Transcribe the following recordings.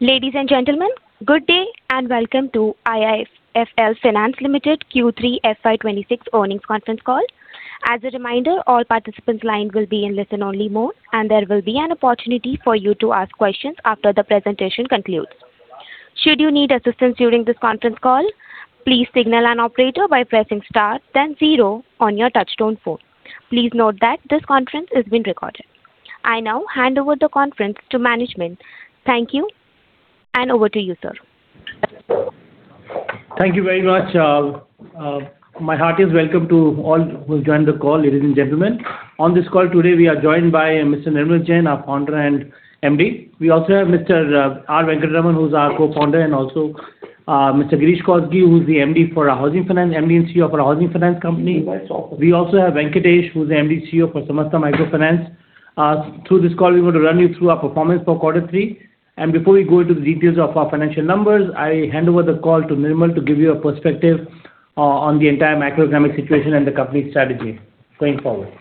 Ladies and gentlemen, good day and welcome to IIFL Finance Limited Q3 FY 2026 earnings conference call. As a reminder, all participants' lines will be in listen-only mode, and there will be an opportunity for you to ask questions after the presentation concludes. Should you need assistance during this conference call, please signal an operator by pressing Star, then Zero on your touch-tone phone. Please note that this conference is being recorded. I now hand over the conference to management. Thank you, and over to you, sir. Thank you very much. My hearty welcome to all who have joined the call, ladies and gentlemen. On this call today, we are joined by Mr. Nirmal Jain, our founder and MD. We also have Mr. R. Venkataraman, who's our co-founder, and also Mr. Girish Kousgi, who's the MD for our housing finance, MD and CEO for our housing finance company. We also have Venkatesh, who's the MD and CEO for Samasta Microfinance. Through this call, we're going to run you through our performance for quarter three. And before we go into the details of our financial numbers, I hand over the call to Nirmal to give you a perspective on the entire macroeconomic situation and the company's strategy going forward.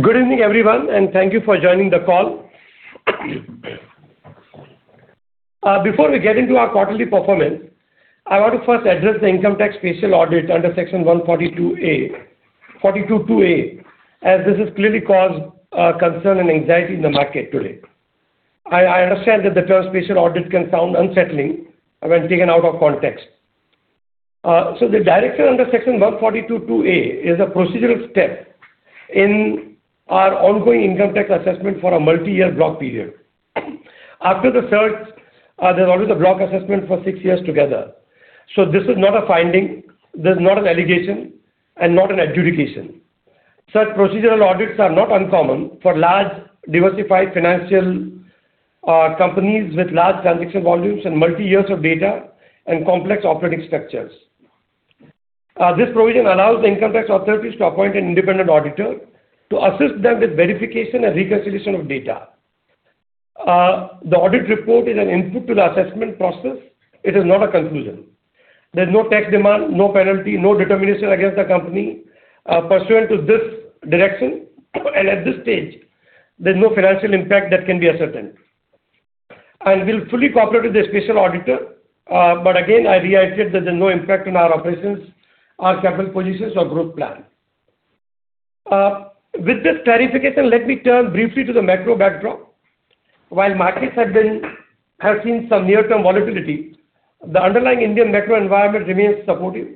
Good evening, everyone, and thank you for joining the call. Before we get into our quarterly performance, I want to first address the income tax special audit under Section 142(2A) as this has clearly caused concern and anxiety in the market today. I understand that the term special audit can sound unsettling when taken out of context, so the direction under Section 142(2A) is a procedural step in our ongoing income tax assessment for a multi-year block period. After the search, there's always a block assessment for six years together, so this is not a finding, this is not an allegation, and not an adjudication. Such procedural audits are not uncommon for large diversified financial companies with large transaction volumes and multi-year of data and complex operating structures. This provision allows the income tax authorities to appoint an independent auditor to assist them with verification and reconciliation of data. The audit report is an input to the assessment process. It is not a conclusion. There's no tax demand, no penalty, no determination against the company pursuant to this direction. And at this stage, there's no financial impact that can be ascertained. And we'll fully cooperate with the special auditor. But again, I reiterate that there's no impact on our operations, our capital positions, or growth plan. With this clarification, let me turn briefly to the macro backdrop. While markets have seen some near-term volatility, the underlying Indian macro environment remains supportive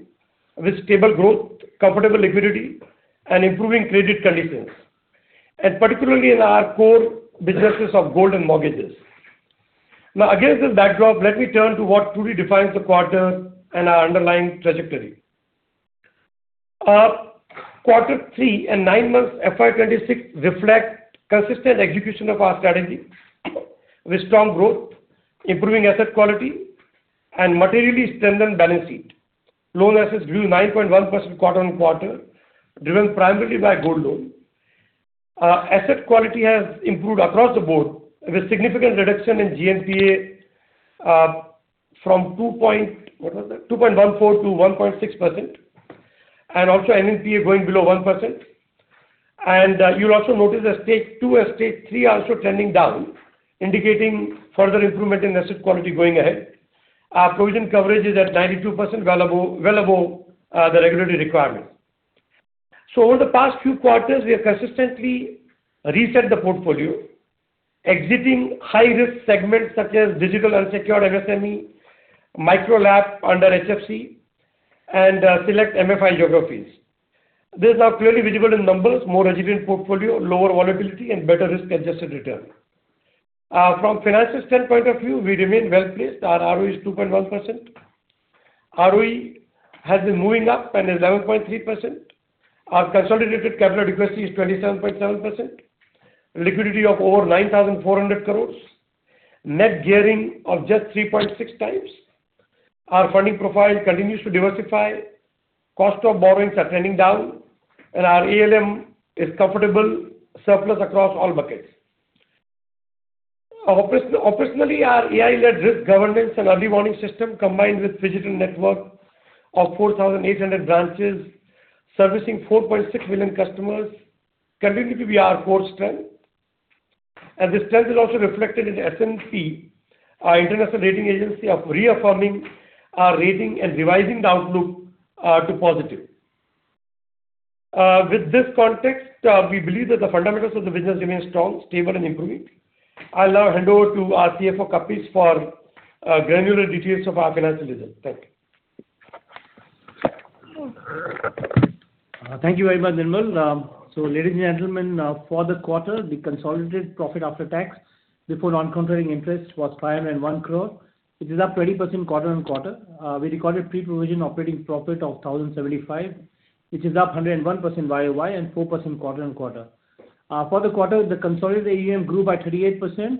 with stable growth, comfortable liquidity, and improving credit conditions, and particularly in our core businesses of gold and mortgages. Now, against this backdrop, let me turn to what truly defines the quarter and our underlying trajectory. Quarter three and nine months FY 2026 reflect consistent execution of our strategy with strong growth, improving asset quality, and materially strengthened balance sheet. Loan assets grew 9.1% quarter-on-quarter, driven primarily by gold loan. Asset quality has improved across the board with significant reduction in GNPA from 2.14% to 1.6%, and also MNPA going below 1%. And you'll also notice that Stage 2 and Stage 3 are also trending down, indicating further improvement in asset quality going ahead. Our provision coverage is at 92%, well above the regulatory requirements. So over the past few quarters, we have consistently reset the portfolio, exiting high-risk segments such as digital unsecured MSME, Micro LAP under HFC, and select MFI geographies. This is now clearly visible in numbers: more resilient portfolio, lower volatility, and better risk-adjusted return. From a financial standpoint of view, we remain well placed. Our ROE is 2.1%. ROE has been moving up and is 11.3%. Our consolidated capital equity is 27.7%, liquidity of over 9,400 crores, net gearing of just 3.6x. Our funding profile continues to diversify. Cost of borrowings are trending down, and our ALM is comfortable surplus across all buckets. Operationally, our AI-led risk governance and early warning system combined with a physical network of 4,800 branches servicing 4.6 million customers continues to be our core strength, and this strength is also reflected in S&P, our international rating agency, reaffirming our rating and revising the outlook to positive. With this context, we believe that the fundamentals of the business remain strong, stable, and improving. I'll now hand over to our CFO Kapish for granular details of our financial results. Thank you. Thank you very much, Nirmal. So ladies and gentlemen, for the quarter, the consolidated profit after tax before non-controlling interest was 501 crore, which is up 20% quarter-on-quarter. We recorded pre-provision operating profit of 1,075, which is up 101% Y-O-Y and 4% quarter-on-quarter. For the quarter, the consolidated AUM grew by 38%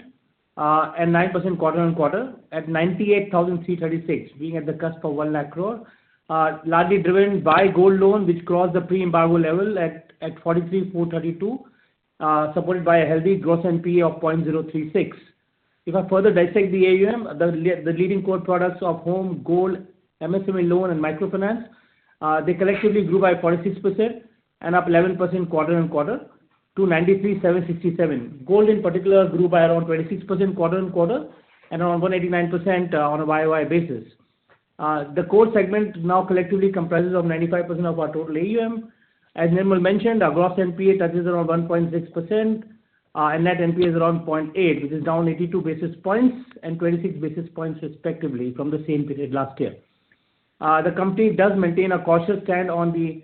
and 9% quarter-on-quarter at 98,336, being at the cusp of 100,000 crore, largely driven by gold loan, which crossed the pre-embargo level at 43,432, supported by a healthy gross NPA of 0.036%. If I further dissect the AUM, the leading core products of home, gold, MSME loan, and microfinance, they collectively grew by 46% and up 11% quarter-on-quarter to 93,767. Gold, in particular, grew by around 26% quarter-on-quarter and around 189% on a Y-O-Y basis. The core segment now collectively comprises 95% of our total AUM. As Nirmal mentioned, our gross NPA touches around 1.6%, and net NPA is around 0.8%, which is down 82 basis points and 26 basis points respectively from the same period last year. The company does maintain a cautious stand on the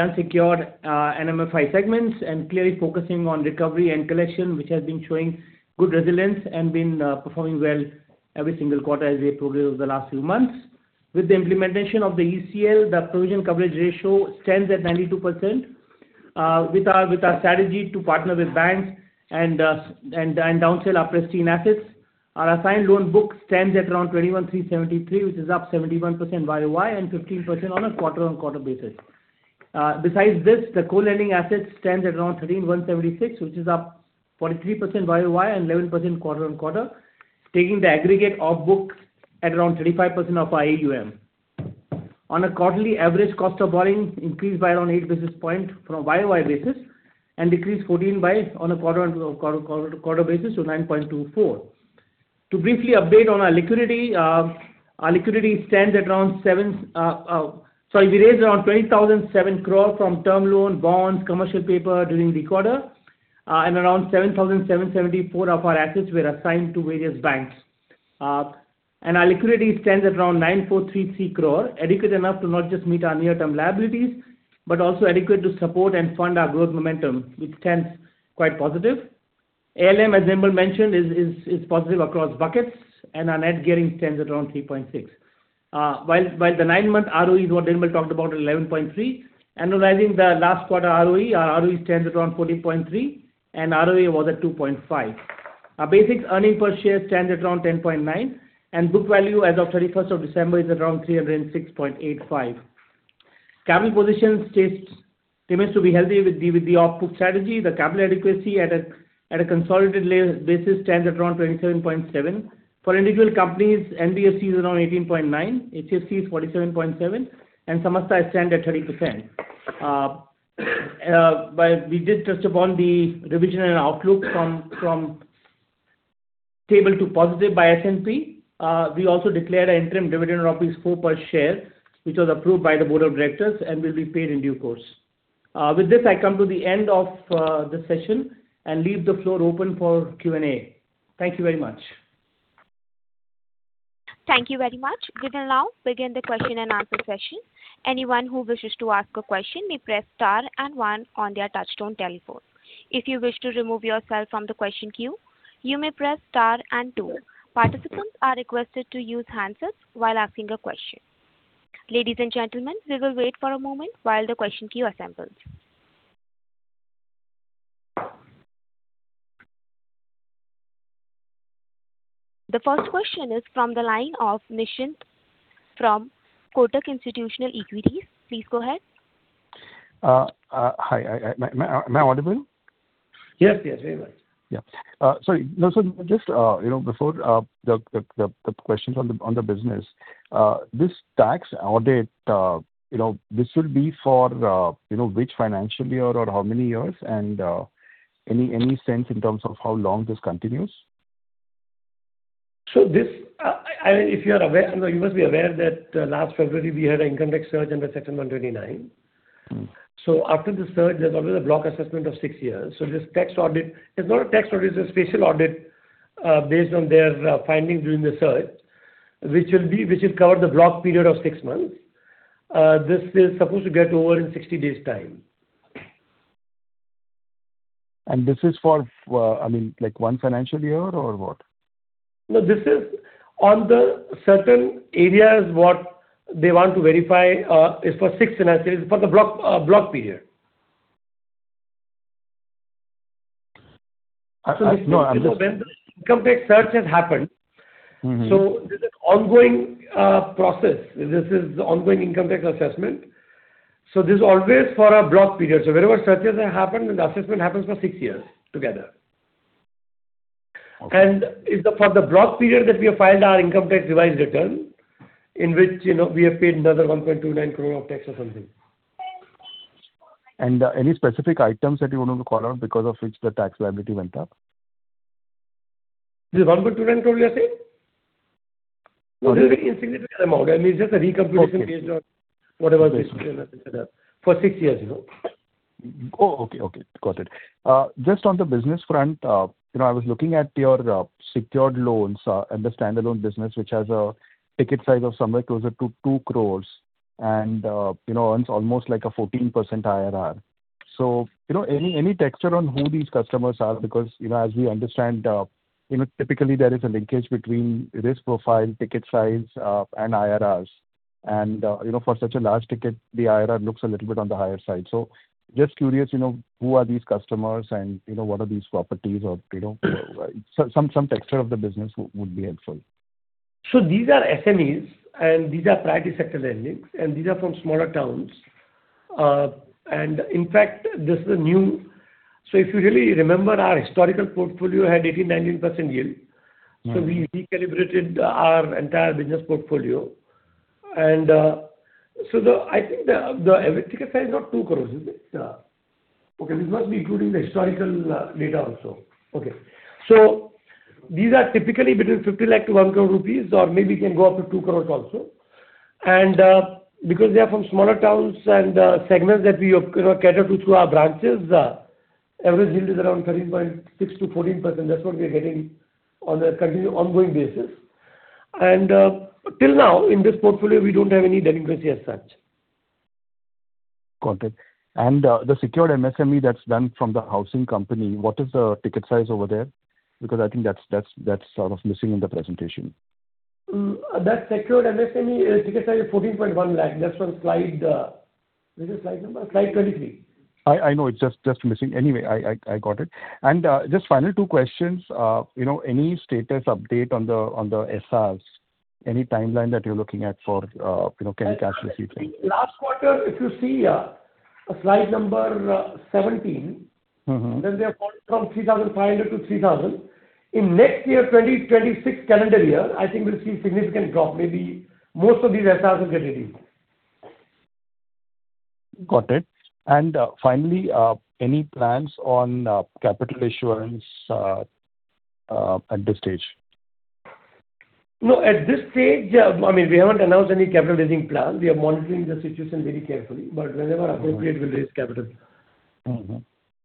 unsecured and MFI segments and clearly focusing on recovery and collection, which has been showing good resilience and been performing well every single quarter as they progress over the last few months. With the implementation of the ECL, the provision coverage ratio stands at 92%. With our strategy to partner with banks and DA our pristine assets, our assigned loan book stands at around 21,373, which is up 71% Y-O-Y and 15% on a quarter-on-quarter basis. Besides this, the co-lending assets stand at around 13,176, which is up 43% Y-O-Y and 11% quarter-on-quarter, taking the aggregate of books at around 35% of our AUM. On a quarterly average cost of borrowing, increased by around 8 basis points from a Y-O-Y basis and decreased 14% on a quarter-on-quarter basis to 9.24%. To briefly update on our liquidity, our liquidity stands at around 7,000, sorry, we raised around 20,007 crore from term loan, bonds, commercial paper during the quarter, and around 7,774 of our assets were assigned to various banks. And our liquidity stands at around 9,433 crore, adequate enough to not just meet our near-term liabilities, but also adequate to support and fund our growth momentum, which stands quite positive. ALM, as Nirmal mentioned, is positive across buckets, and our net gearing stands at around 3.6%. While the nine-month ROE is what Nirmal talked about at 11.3%, analyzing the last quarter ROE, our ROE stands at around 14.3%, and ROA was at 2.5%. Our basic earnings per share stands at around 10.9, and book value as of 31st of December is around 306.85. Capital position remains to be healthy with the off-book strategy. The capital adequacy at a consolidated basis stands at around 27.7%. For individual companies, NBFC is around 18.9%, HFC is 47.7%, and Samasa stands at 30%. We did touch upon the revision and outlook from stable to positive by S&P. We also declared an interim dividend of rupees 4 per share, which was approved by the board of directors and will be paid in due course. With this, I come to the end of the session and leave the floor open for Q&A. Thank you very much. Thank you very much. We will now begin the question and answer session. Anyone who wishes to ask a question may press star and one on their touch-tone telephone. If you wish to remove yourself from the question queue, you may press star and two. Participants are requested to use handsets while asking a question. Ladies and gentlemen, we will wait for a moment while the question queue assembles. The first question is from the line of Nishant from Kotak Institutional Equities. Please go ahead. Hi. Am I audible? Yes, yes. Very much. Yeah. Sorry. No, so just before the questions on the business, this tax audit, this will be for which financial year or how many years? And any sense in terms of how long this continues? This, I mean, if you are aware, you must be aware that last February, we had an income tax search under Section 132. After the search, there's always a block assessment of six years. This tax audit, it's not a tax audit, it's a special audit based on their findings during the search, which will cover the block period of six years. This is supposed to get over in 60 days' time. This is for, I mean, one financial year or what? No, this is on the certain areas. What they want to verify is for six financial years for the block period. This is when the income tax scrutiny has happened. This is an ongoing process. This is the ongoing income tax assessment. This is always for a block period. Wherever scrutinies have happened, the assessment happens for six years together. And it's for the block period that we have filed our income tax revised return, in which we have paid another 1.29 crore of tax or something. And any specific items that you wanted to call out because of which the tax liability went up? This is 1.29 crore, you are saying? No. It's a very insignificant amount. I mean, it's just a recomputation based on whatever the history and etc. for six years. Oh, okay. Okay. Got it. Just on the business front, I was looking at your secured loans, the standalone business, which has a ticket size of somewhere closer to 2 crores and earns almost like a 14% IRR. So any texture on who these customers are? Because as we understand, typically there is a linkage between risk profile, ticket size, and IRRs. And for such a large ticket, the IRR looks a little bit on the higher side. So just curious, who are these customers and what are these properties? Some texture of the business would be helpful. These are SMEs, and these are private sector lendings, and these are from smaller towns. In fact, this is a new one so if you really remember, our historical portfolio had 18%-19% yield. We recalibrated our entire business portfolio. I think the ticket size is not INR 2 crores, is it? Okay. This must be including the historical data also. Okay. These are typically between 50 lakh to 1 crore rupees, or maybe it can go up to 2 crores also. Because they are from smaller towns and segments that we cater to through our branches, average yield is around 13.6%-14%. That's what we are getting on an ongoing basis. Till now, in this portfolio, we don't have any delinquency as such. Got it. And the secured MSME that's done from the housing company, what is the ticket size over there? Because I think that's sort of missing in the presentation. That secured MSME ticket size is 14.1 lakh. That's on slide, which is slide number? Slide 23. I know. It's just missing. Anyway, I got it. And just final two questions. Any status update on the SRs? Any timeline that you're looking at for cash receipts? Last quarter, if you see slide number 17, then they have gone from 3,500 to 3,000. In next year, 2026 calendar year, I think we'll see a significant drop. Maybe most of these SRs will get redeemed. Got it. And finally, any plans on capital issuance at this stage? No. At this stage, I mean, we haven't announced any capital raising plan. We are monitoring the situation very carefully. But whenever appropriate, we'll raise capital.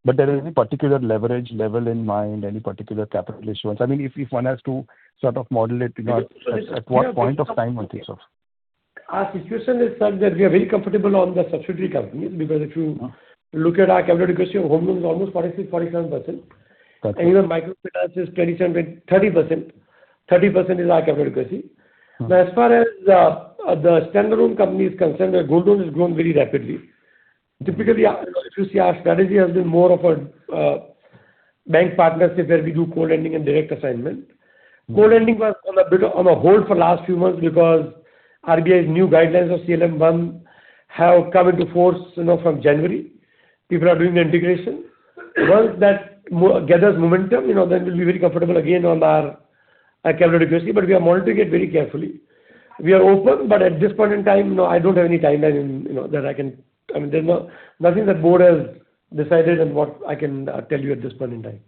But there is any particular leverage level in mind? Any particular capital issuance? I mean, if one has to sort of model it, at what point of time on this? Our situation is such that we are very comfortable on the subsidiary companies because if you look at our capital equity, Home Loan is almost 46%-47%. And even Microfinance is 27-30%. 30% is our capital equity. Now, as far as the standalone company is concerned, where Gold Loan has grown very rapidly. Typically, if you see, our strategy has been more of a bank partnership where we do Co-Lending and Direct Assignment. Co-Lending was on a bit of a hold for the last few months because RBI's new guidelines of CLM 1 have come into force from January. People are doing the integration. Once that gathers momentum, then we'll be very comfortable again on our capital equity. But we are monitoring it very carefully. We are open, but at this point in time, I don't have any timeline that I can, I mean, there's nothing the board has decided on what I can tell you at this point in time.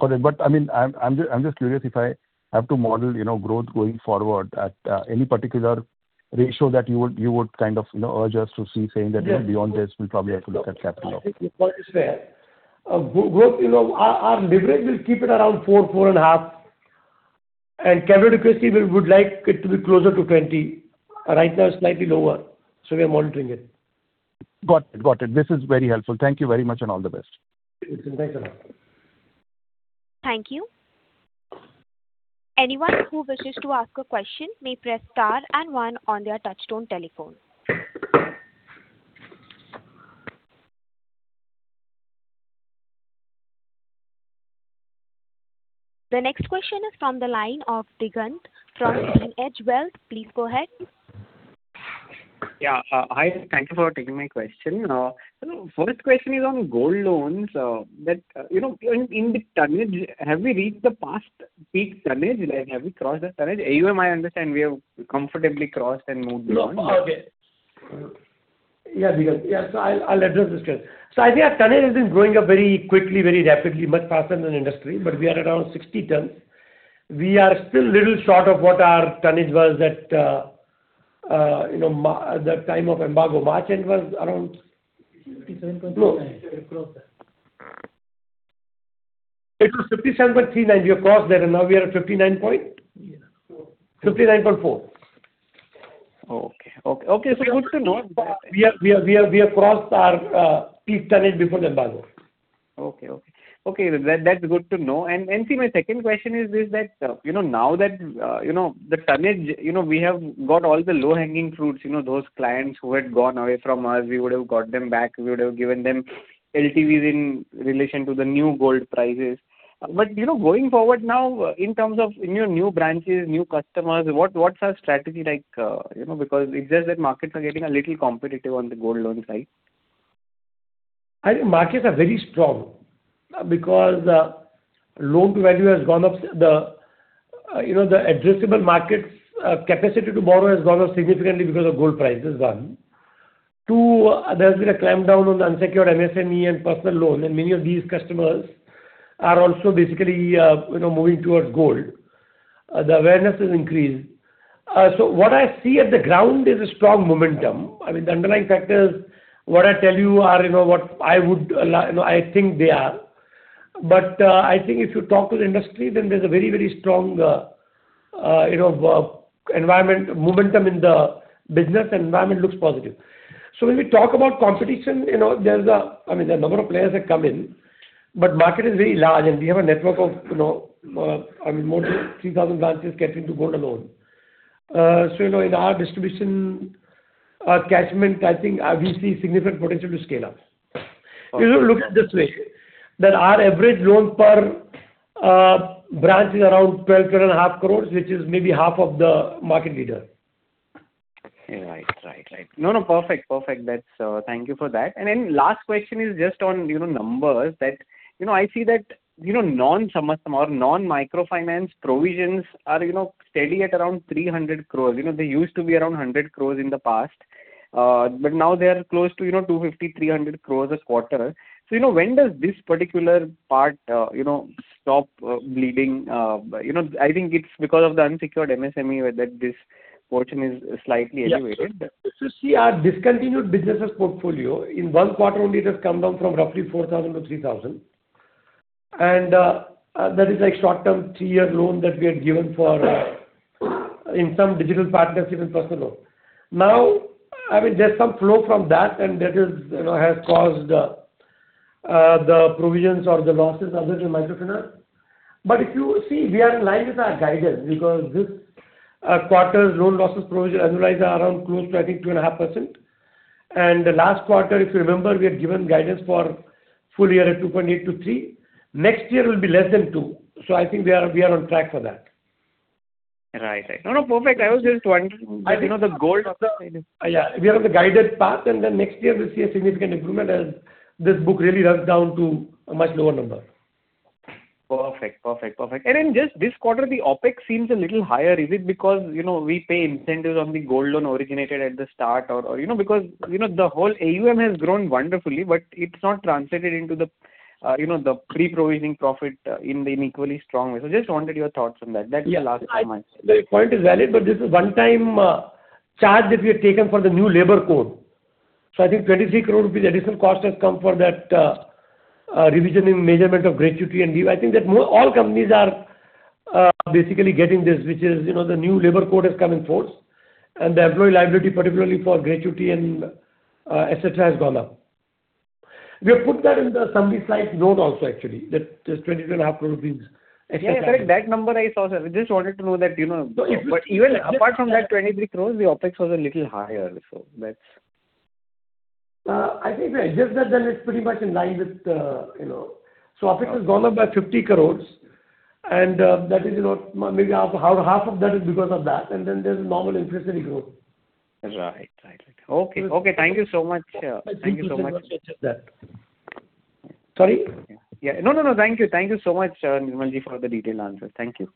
Got it. But I mean, I'm just curious if I have to model growth going forward at any particular ratio that you would kind of urge us to see, saying that beyond this, we'll probably have to look at capital? It's fair. Our leverage will keep it around 4-4.5, and capital equity, we would like it to be closer to 20. Right now, it's slightly lower, so we are monitoring it. Got it. Got it. This is very helpful. Thank you very much and all the best. You too. Thanks a lot. Thank you. Anyone who wishes to ask a question may press star and one on their touch-tone telephone. The next question is from the line of Digant from GreenEdge Wealth. Please go ahead. Yeah. Hi. Thank you for taking my question. So first question is on gold loans. In the tonnage, have we reached the past peak tonnage? Have we crossed that tonnage? AUM, I understand we have comfortably crossed and moved beyond. Okay. Yeah, because yeah, so I'll address this question. So I think our tonnage has been growing up very quickly, very rapidly, much faster than the industry. But we are around 60 tons. We are still a little short of what our tonnage was at the time of embargo. March end was around 57.39. It was 57.39. We have crossed that, and now we are at 59.4. Okay. So good to know. We have crossed our peak tonnage before the embargo. Okay. Okay. Okay. That's good to know. And NC, my second question is this: now that the tonnage, we have got all the low-hanging fruits, those clients who had gone away from us. We would have got them back. We would have given them LTVs in relation to the new gold prices. But going forward now, in terms of new branches, new customers, what's our strategy like? Because it's just that markets are getting a little competitive on the gold loan side. I think markets are very strong because loan-to-value has gone up. The addressable market's capacity to borrow has gone up significantly because of gold prices, one. Two, there has been a clampdown on the unsecured MSME and personal loan, and many of these customers are also basically moving towards gold. The awareness has increased, so what I see at the ground is a strong momentum. I mean, the underlying factors, what I tell you are what I would think they are, but I think if you talk to the industry, then there's a very, very strong environment momentum in the business. The environment looks positive, so when we talk about competition, there's a, I mean, there are a number of players that come in, but the market is very large, and we have a network of, I mean, more than 3,000 branches catering to gold alone. So in our distribution catchment, I think we see significant potential to scale up. If you look at it this way, then our average loan per branch is around 12.5 crores, which is maybe half of the market leader. Right. No. Perfect. Thank you for that. And then last question is just on numbers that I see that non-Samastha or non-microfinance provisions are steady at around 300 crores. They used to be around 100 crores in the past. But now they are close to 250-300 crores a quarter. So when does this particular part stop bleeding? I think it's because of the unsecured MSME that this portion is slightly elevated. Yeah. So see, our discontinued businesses portfolio in one quarter only has come down from roughly 4,000 to 3,000. And that is a short-term three-year loan that we had given for in some digital partnership and personal loan. Now, I mean, there's some flow from that, and that has caused the provisions or the losses other than microfinance. But if you see, we are in line with our guidance because this quarter's loan losses provision annualized are around close to, I think, 2.5%. And the last quarter, if you remember, we had given guidance for full year at 2.8%-3%. Next year will be less than 2%. So I think we are on track for that. Right. Right. No, no. Perfect. I was just wondering. Yeah. We are on the guided path, and then next year, we'll see a significant improvement as this book really runs down to a much lower number. Perfect. Perfect. Perfect. Then just this quarter, the OPEX seems a little higher. Is it because we pay incentives on the gold loan originated at the start? Or because the whole AUM has grown wonderfully, but it's not translated into the pre-provision operating profit in an equally strong way? I just wanted your thoughts on that. That's the last one I have. The point is valid, but this is a one-time charge that we have taken for the new labor code. So I think 23 crore rupees additional cost has come for that revision in measurement of gratuity and leave. I think that all companies are basically getting this, which is the new labor code has come in force, and the employee liability, particularly for gratuity and etc., has gone up. We have put that in the summary slide note also, actually, that there's 22.5 crore rupees extra. Yeah. Correct. That number I saw, sir. We just wanted to know that. But even apart from that 23 crore, the OpEx was a little higher. So that's. I think we adjusted that. It's pretty much in line with the so OPEX has gone up by 50 crores, and that is maybe half of that is because of that, and then there's a normal inflationary growth. Right. Right. Right. Okay. Okay. Thank you so much. Thank you so much. Thank you so much for that. Sorry? Yeah. No, no, no. Thank you. Thank you so much, Nirmalji, for the detailed answers. Thank you.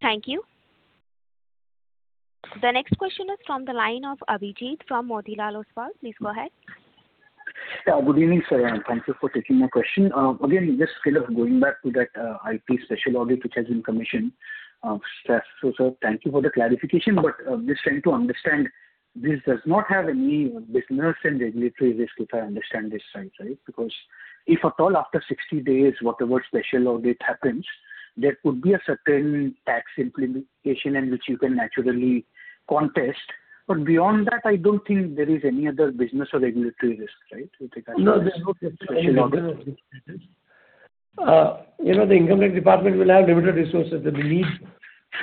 Thank you. The next question is from the line of Abhijit from Motilal Oswal. Please go ahead. Yeah. Good evening, sir. And thank you for taking my question. Again, just kind of going back to that IT special audit which has been commissioned. So sir, thank you for the clarification. But just trying to understand, this does not have any business and regulatory risk, if I understand this right, right? Because if at all, after 60 days, whatever special audit happens, there could be a certain tax implication in which you can naturally contest. But beyond that, I don't think there is any other business or regulatory risk, right? No, there's no special audit. The income tax department will have limited resources that they need.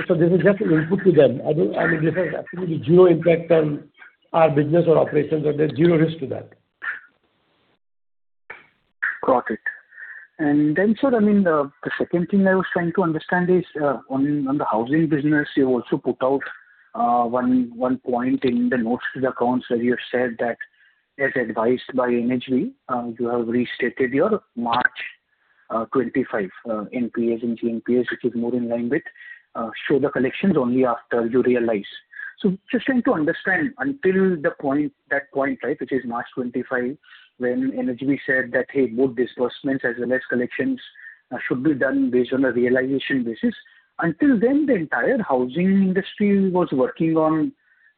So this is just an input to them. I mean, this has absolutely zero impact on our business or operations, or there's zero risk to that. Got it, and then sir, I mean, the second thing I was trying to understand is on the housing business, you also put out one point in the notes to the accounts where you have said that, as advised by NHB, you have restated your March 25 NPAs and GNPAs, which is more in line with show the collections only after you realize. So just trying to understand, until that point, right, which is March 2025, when NHB said that, "Hey, both disbursements as well as collections should be done based on a realization basis," until then, the entire housing industry was working on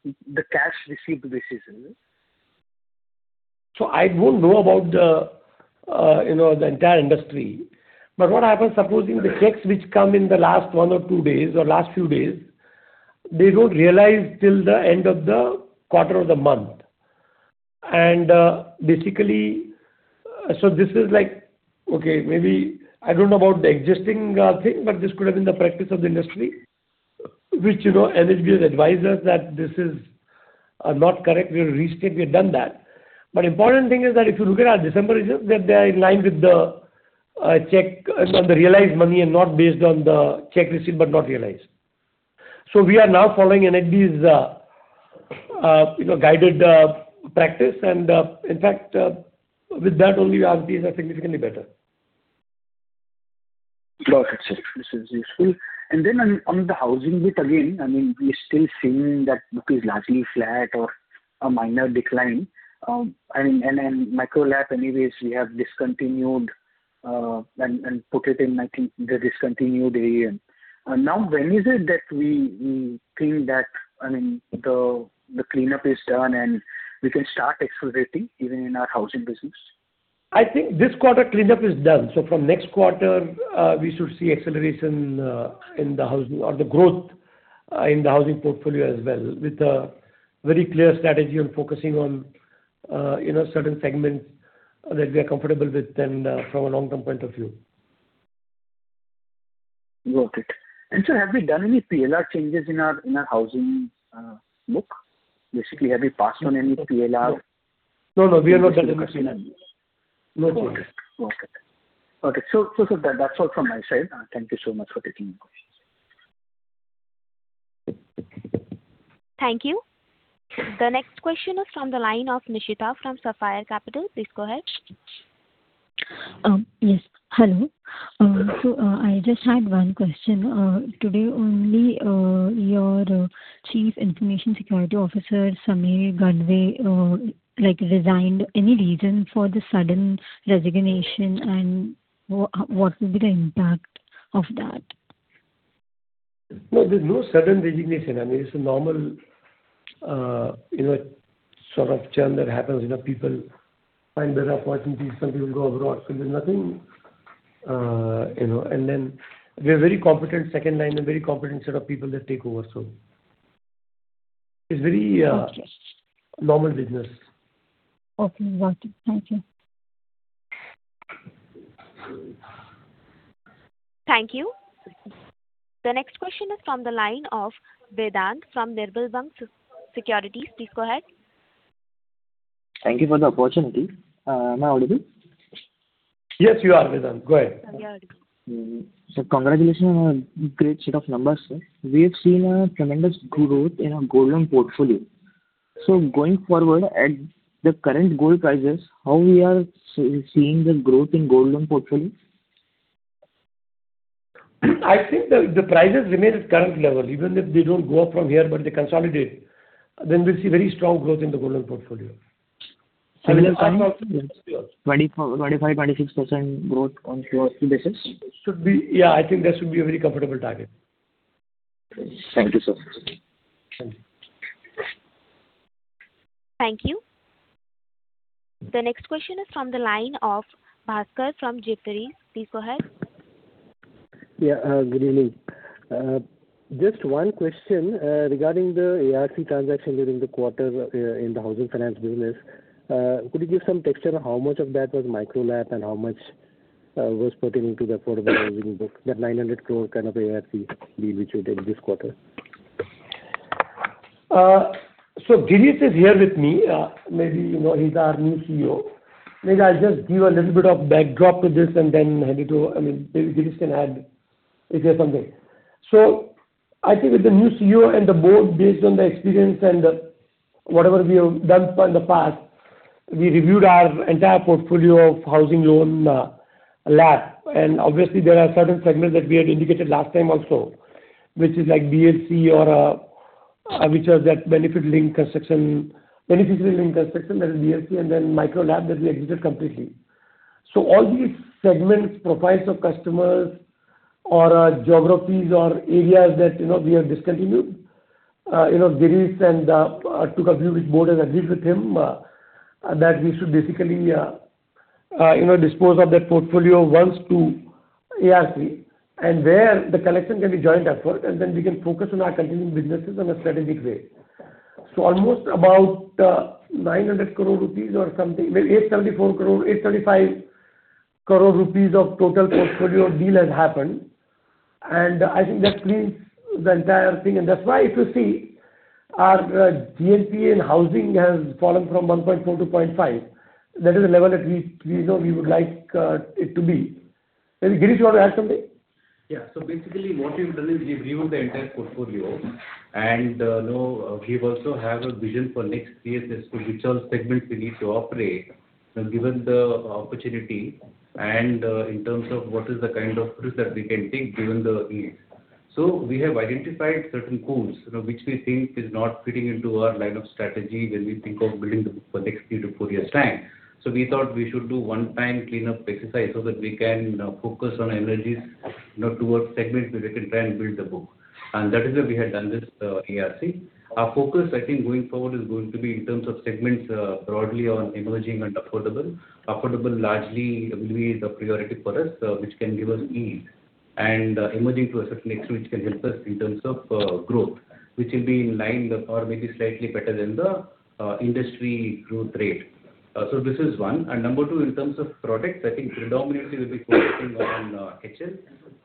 the cash received basis, is it? So I don't know about the entire industry. But what happens, supposing the checks which come in the last one or two days or last few days, they don't realize till the end of the quarter or the month. And basically, so this is like, okay, maybe I don't know about the existing thing, but this could have been the practice of the industry, which NHB has advised us that this is not correct. We have restated. We have done that. But the important thing is that if you look at our December results, that they are in line with the check on the realized money and not based on the check receipt but not realized. So we are now following NHB's guided practice. And in fact, with that, only we have seen significantly better. Got it, sir. This is useful. And then on the housing bit again, I mean, we are still seeing that book is largely flat or a minor decline. I mean, and Micro LAP, anyways, we have discontinued and put it in, I think, the discontinued AUM. Now, when is it that we think that, I mean, the cleanup is done and we can start accelerating even in our housing business? I think this quarter cleanup is done. So from next quarter, we should see acceleration in the housing or the growth in the housing portfolio as well, with a very clear strategy on focusing on certain segments that we are comfortable with and from a long-term point of view. Got it. And sir, have we done any PLR changes in our housing book? Basically, have we passed on any PLR? No, no. We are not discussing that. No changes. Okay. So, sir, that's all from my side. Thank you so much for taking my questions. Thank you. The next question is from the line of Nishitha from Sapphire Capital. Please go ahead. Yes. Hello. So I just had one question. Today, only your Chief Information Security Officer, Samir Gadve, resigned. Any reason for the sudden resignation, and what will be the impact of that? No, there's no sudden resignation. I mean, it's a normal sort of turn that happens. People find better opportunities. Some people go abroad. So there's nothing. And then we have a very competent second line and a very competent set of people that take over. So it's a very normal business. Okay. Got it. Thank you. Thank you. The next question is from the line of Vedant from Nirmal Bang Securities. Please go ahead. Thank you for the opportunity. Am I audible? Yes, you are, Vedant. Go ahead. Yeah, audible. So congratulations on a great set of numbers, sir. We have seen a tremendous growth in our gold loan portfolio. So going forward, at the current gold prices, how we are seeing the growth in gold loan portfolio? I think the prices remain at current level. Even if they don't go up from here but they consolidate, then we'll see very strong growth in the gold loan portfolio. 25, 26% growth on Q1 to Q2 basis? Yeah. I think that should be a very comfortable target. Thank you, sir. Thank you. Thank you. The next question is from the line of Bhaskar from Jefferies. Please go ahead. Yeah. Good evening. Just one question regarding the ARC transaction during the quarter in the housing finance business. Could you give some texture on how much of that was Micro LAP and how much was pertaining to the affordable housing book, that 900 crore kind of ARC deal which you did this quarter? So, Girish is here with me. Maybe he's our new CEO. Maybe I'll just give a little bit of backdrop to this and then hand it over. I mean, maybe Girish can add if he has something. So, I think with the new CEO and the board, based on the experience and whatever we have done in the past, we reviewed our entire portfolio of housing loan LAP. And obviously, there are certain segments that we had indicated last time also, which is like BLC or which are that beneficiary-led construction, beneficiary-led construction, that is BLC, and then Micro LAP that we exited completely. So all these segments, profiles of customers, or geographies or areas that we have discontinued, Girish took a view which board has agreed with him that we should basically dispose of that portfolio once to ARC, and there the collection can be joint effort, and then we can focus on our continuing businesses in a strategic way. So almost about 900 crore rupees or something, maybe 875 crore of total portfolio deal has happened. And I think that cleans the entire thing. And that's why if you see, our GNPA in housing has fallen from 1.4% to 2.5%. That is the level that we know we would like it to be. Maybe Girish, you want to add something? Yeah. So basically, what we've done is we've reviewed the entire portfolio, and we also have a vision for next three years as to which all segments we need to operate given the opportunity and in terms of what is the kind of risk that we can take given the needs. So we have identified certain pools which we think are not fitting into our line of strategy when we think of building the book for next three to four years' time. So we thought we should do one-time cleanup exercise so that we can focus on energies towards segments where we can try and build the book. And that is where we have done this ARC. Our focus, I think, going forward is going to be in terms of segments broadly on emerging and affordable. Affordable largely will be the priority for us, which can give us ease. And emerging to a certain extent, which can help us in terms of growth, which will be in line or maybe slightly better than the industry growth rate. So this is one. And number two, in terms of products, I think predominantly we'll be focusing on HL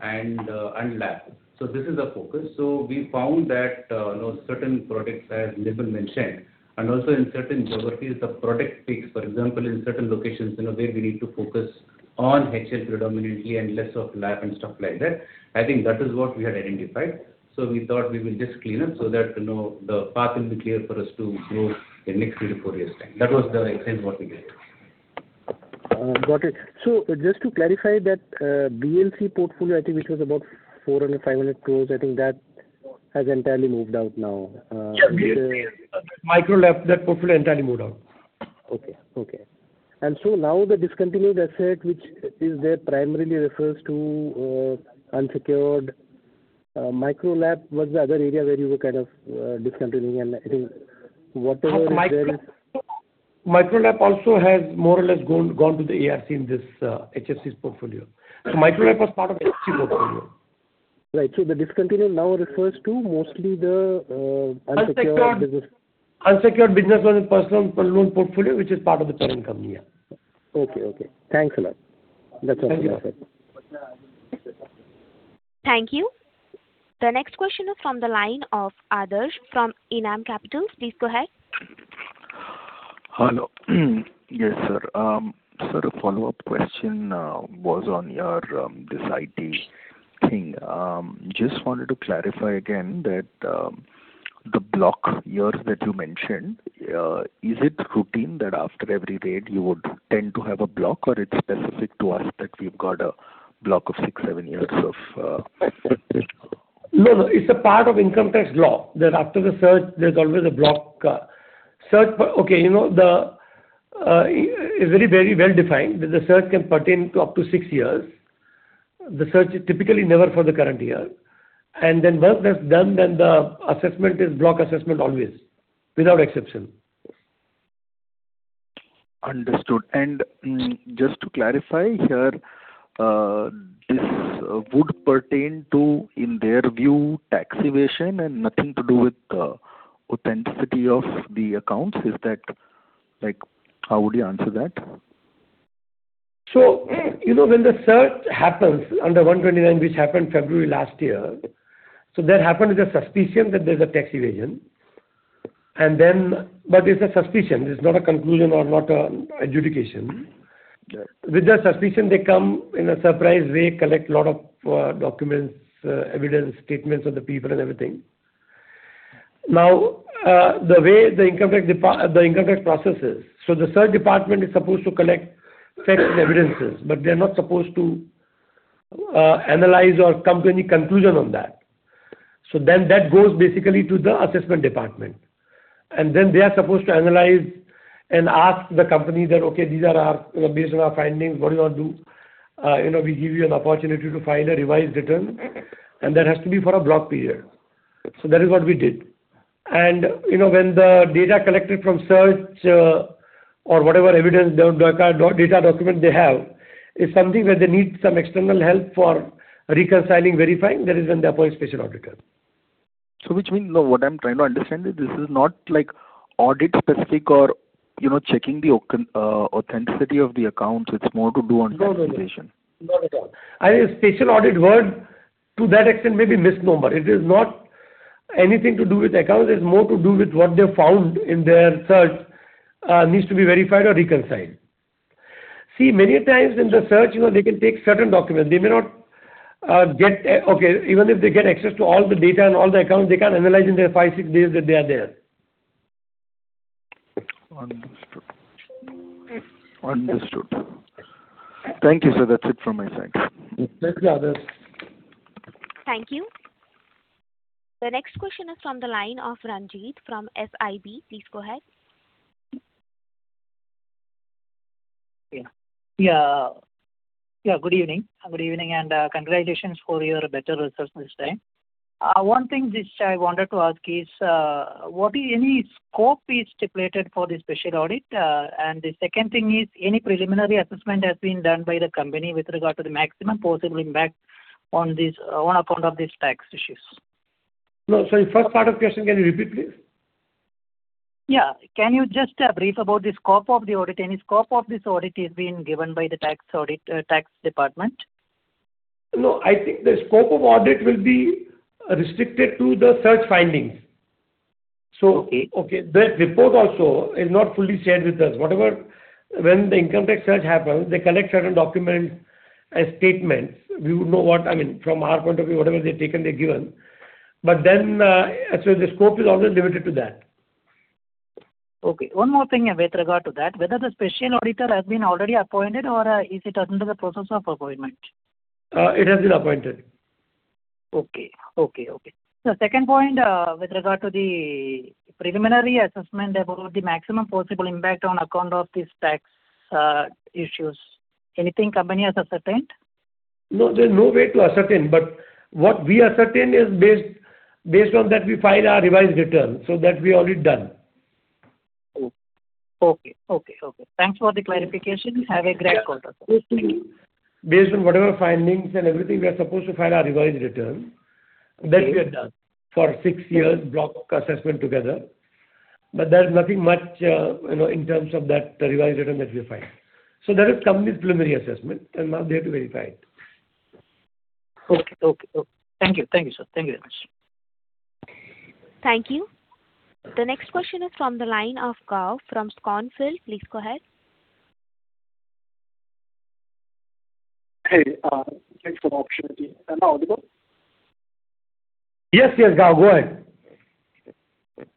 and LAP. So this is our focus. So we found that certain products, as Nirmal mentioned, and also in certain geographies, the product picks, for example, in certain locations where we need to focus on HL predominantly and less of LAP and stuff like that. I think that is what we had identified. So we thought we will just clean up so that the path will be clear for us to grow in the next three to four years' time. That was the exercise what we did. Got it. So just to clarify that BLC portfolio, I think which was about 400-500 crores, I think that has entirely moved out now. Yeah. BLC, Micro LAP, that portfolio entirely moved out. Okay. And so now, the discontinued asset, which is there, primarily refers to unsecured Micro LAP, was the other area where you were kind of discontinuing. And I think whatever is there. LAP also has more or less gone to the ARC in this HFC's portfolio. So Micro LAP was part of HFC portfolio. Right. So the discontinued now refers to mostly the unsecured business. Unsecured business loan and personal loan portfolio, which is part of the current company. Yeah. Okay. Okay. Thanks a lot. That's all for now, sir. Thank you. The next question is from the line of Adarsh from Enam Holdings. Please go ahead. Hello. Yes, sir. Sir, a follow-up question was on your this IT thing. Just wanted to clarify again that the block years that you mentioned, is it routine that after every rate you would tend to have a block, or it's specific to us that we've got a block of six, seven years of? No, no. It's a part of income tax law that after the search, there's always a block. Okay. It's very, very well defined that the search can pertain to up to six years. The search is typically never for the current year, and then once that's done, then the assessment is block assessment always without exception. Understood. And just to clarify here, this would pertain to, in their view, tax evasion and nothing to do with the authenticity of the accounts. How would you answer that? When the search happens under 129, which happened February last year, that happened with a suspicion that there's a tax evasion. But it's a suspicion. It's not a conclusion or not an adjudication. With that suspicion, they come in a surprised way, collect a lot of documents, evidence, statements of the people and everything. Now, the way the income tax process is, the search department is supposed to collect facts and evidences, but they're not supposed to analyze or come to any conclusion on that. Then that goes basically to the assessment department. They are supposed to analyze and ask the company that, "Okay, these are our based on our findings, what do you want to do?" We give you an opportunity to file a revised return, and that has to be for a block period. That is what we did. When the data collected from search or whatever evidence, data document they have, it's something where they need some external help for reconciling, verifying. That is when they appoint special auditor. Which means what I'm trying to understand is this is not audit-specific or checking the authenticity of the accounts. It's more to do on tax evasion. No, no, no. Not at all. I mean, the word special audit to that extent may be a misnomer. It is not anything to do with accounts. It's more to do with what they found in their search needs to be verified or reconciled. See, many times in the search, they can take certain documents. They may not get okay. Even if they get access to all the data and all the accounts, they can't analyze in their five, six days that they are there. Understood. Thank you, sir. That's it from my side. Thank you, Adarsh. Thank you. The next question is from the line of Ranjit from SIB. Please go ahead. Yeah. Good evening. And congratulations for your better results this time. One thing which I wanted to ask is, what is any scope is stipulated for the special audit? And the second thing is, any preliminary assessment has been done by the company with regard to the maximum possible impact on account of these tax issues? No. Sorry. First part of the question, can you repeat, please? Yeah. Can you just brief about the scope of the audit? Any scope of this audit is being given by the tax department? No. I think the scope of audit will be restricted to the search findings. So the report also is not fully shared with us. When the income tax search happens, they collect certain documents and statements. We would know what I mean, from our point of view, whatever they taken, they're given. But then the scope is always limited to that. Okay. One more thing with regard to that. Whether the special auditor has been already appointed or is it under the process of appointment? It has been appointed. The second point with regard to the preliminary assessment about the maximum possible impact on account of these tax issues. Anything the company has ascertained? No. There's no way to ascertain. But what we ascertain is based on that we file our revised return. So that we already done. Okay. Thanks for the clarification. Have a great quarter. Based on whatever findings and everything, we are supposed to file our revised return. That we have done for six years block assessment together. But there's nothing much in terms of that revised return that we find. So that is the company's preliminary assessment. And now they have to verify it. Okay. Okay. Okay. Thank you. Thank you, sir. Thank you very much. Thank you. The next question is from the line of Gao from Schonfeld. Please go ahead. Hey. Thanks for the opportunity. Now, are we good? Yes, yes, Gao. Go ahead.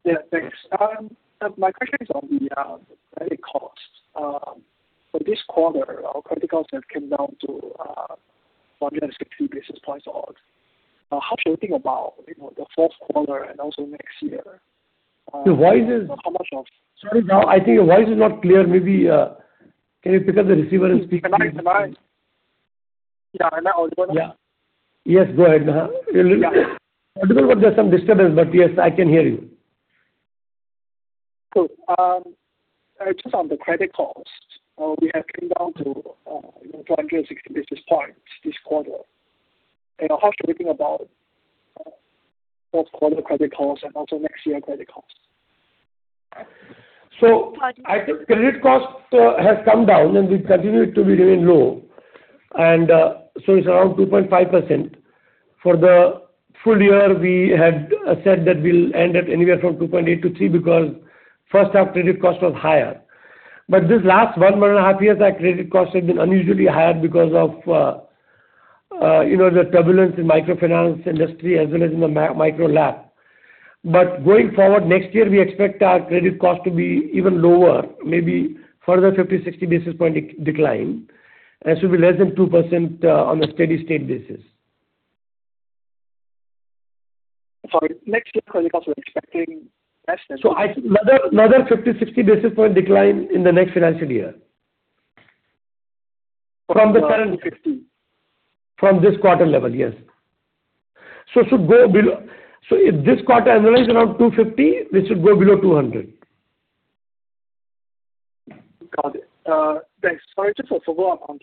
Yeah. Thanks. My question is on the credit costs. For this quarter, our credit costs have come down to 160 basis points odd. How should we think about the fourth quarter and also next year? The voice is. How much of? Sorry, Gao. I think your voice is not clear. Maybe can you pick up the receiver and speak? Can I? Yeah. Am I audible now? Yeah. Yes. Go ahead. Audible but there's some disturbance. But yes, I can hear you. Cool. Just on the credit costs, we have come down to 260 basis points this quarter. How should we think about fourth quarter credit costs and also next year credit costs? I think credit cost has come down and we continue to be doing low. It's around 2.5%. For the full year, we had said that we'll end at anywhere from 2.8%-3% because first half credit cost was higher. This last one and a half months, our credit cost has been unusually higher because of the turbulence in microfinance industry as well as in the Micro LAP. Going forward, next year, we expect our credit cost to be even lower, maybe further 50-60 basis points decline. It should be less than 2% on a steady-state basis. Sorry. Next year Credit Cost we're expecting less than 2%? So another 50-60 basis points decline in the next financial year from the current 50. From this quarter level, yes. So if this quarter annualizes around 250, we should go below 200. Got it. Thanks. Sorry. Just a follow-up on the tax audit. Is this a normal standard SOP whenever there's a rate? We double-check it or probably assessment. So I'm sorry to interrupt. I'm sorry to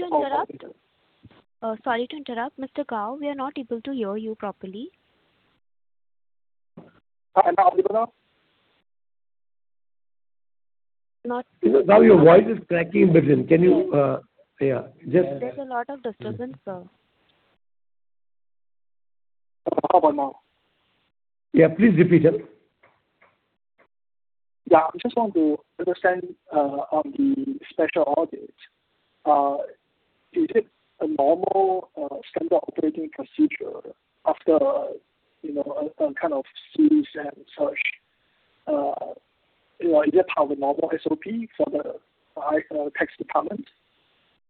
interrupt. Sorry to interrupt. Mr. Gao, we are not able to hear you properly. Am I audible now? Not. Now your voice is cracking a bit. Can you? Yeah. Just. There's a lot of disturbance, sir. How about now? Yeah. Please repeat it. Yeah. I just want to understand on the special audit. Is it a normal standard operating procedure after a kind of series and search? Is it part of the normal SOP for the tax department,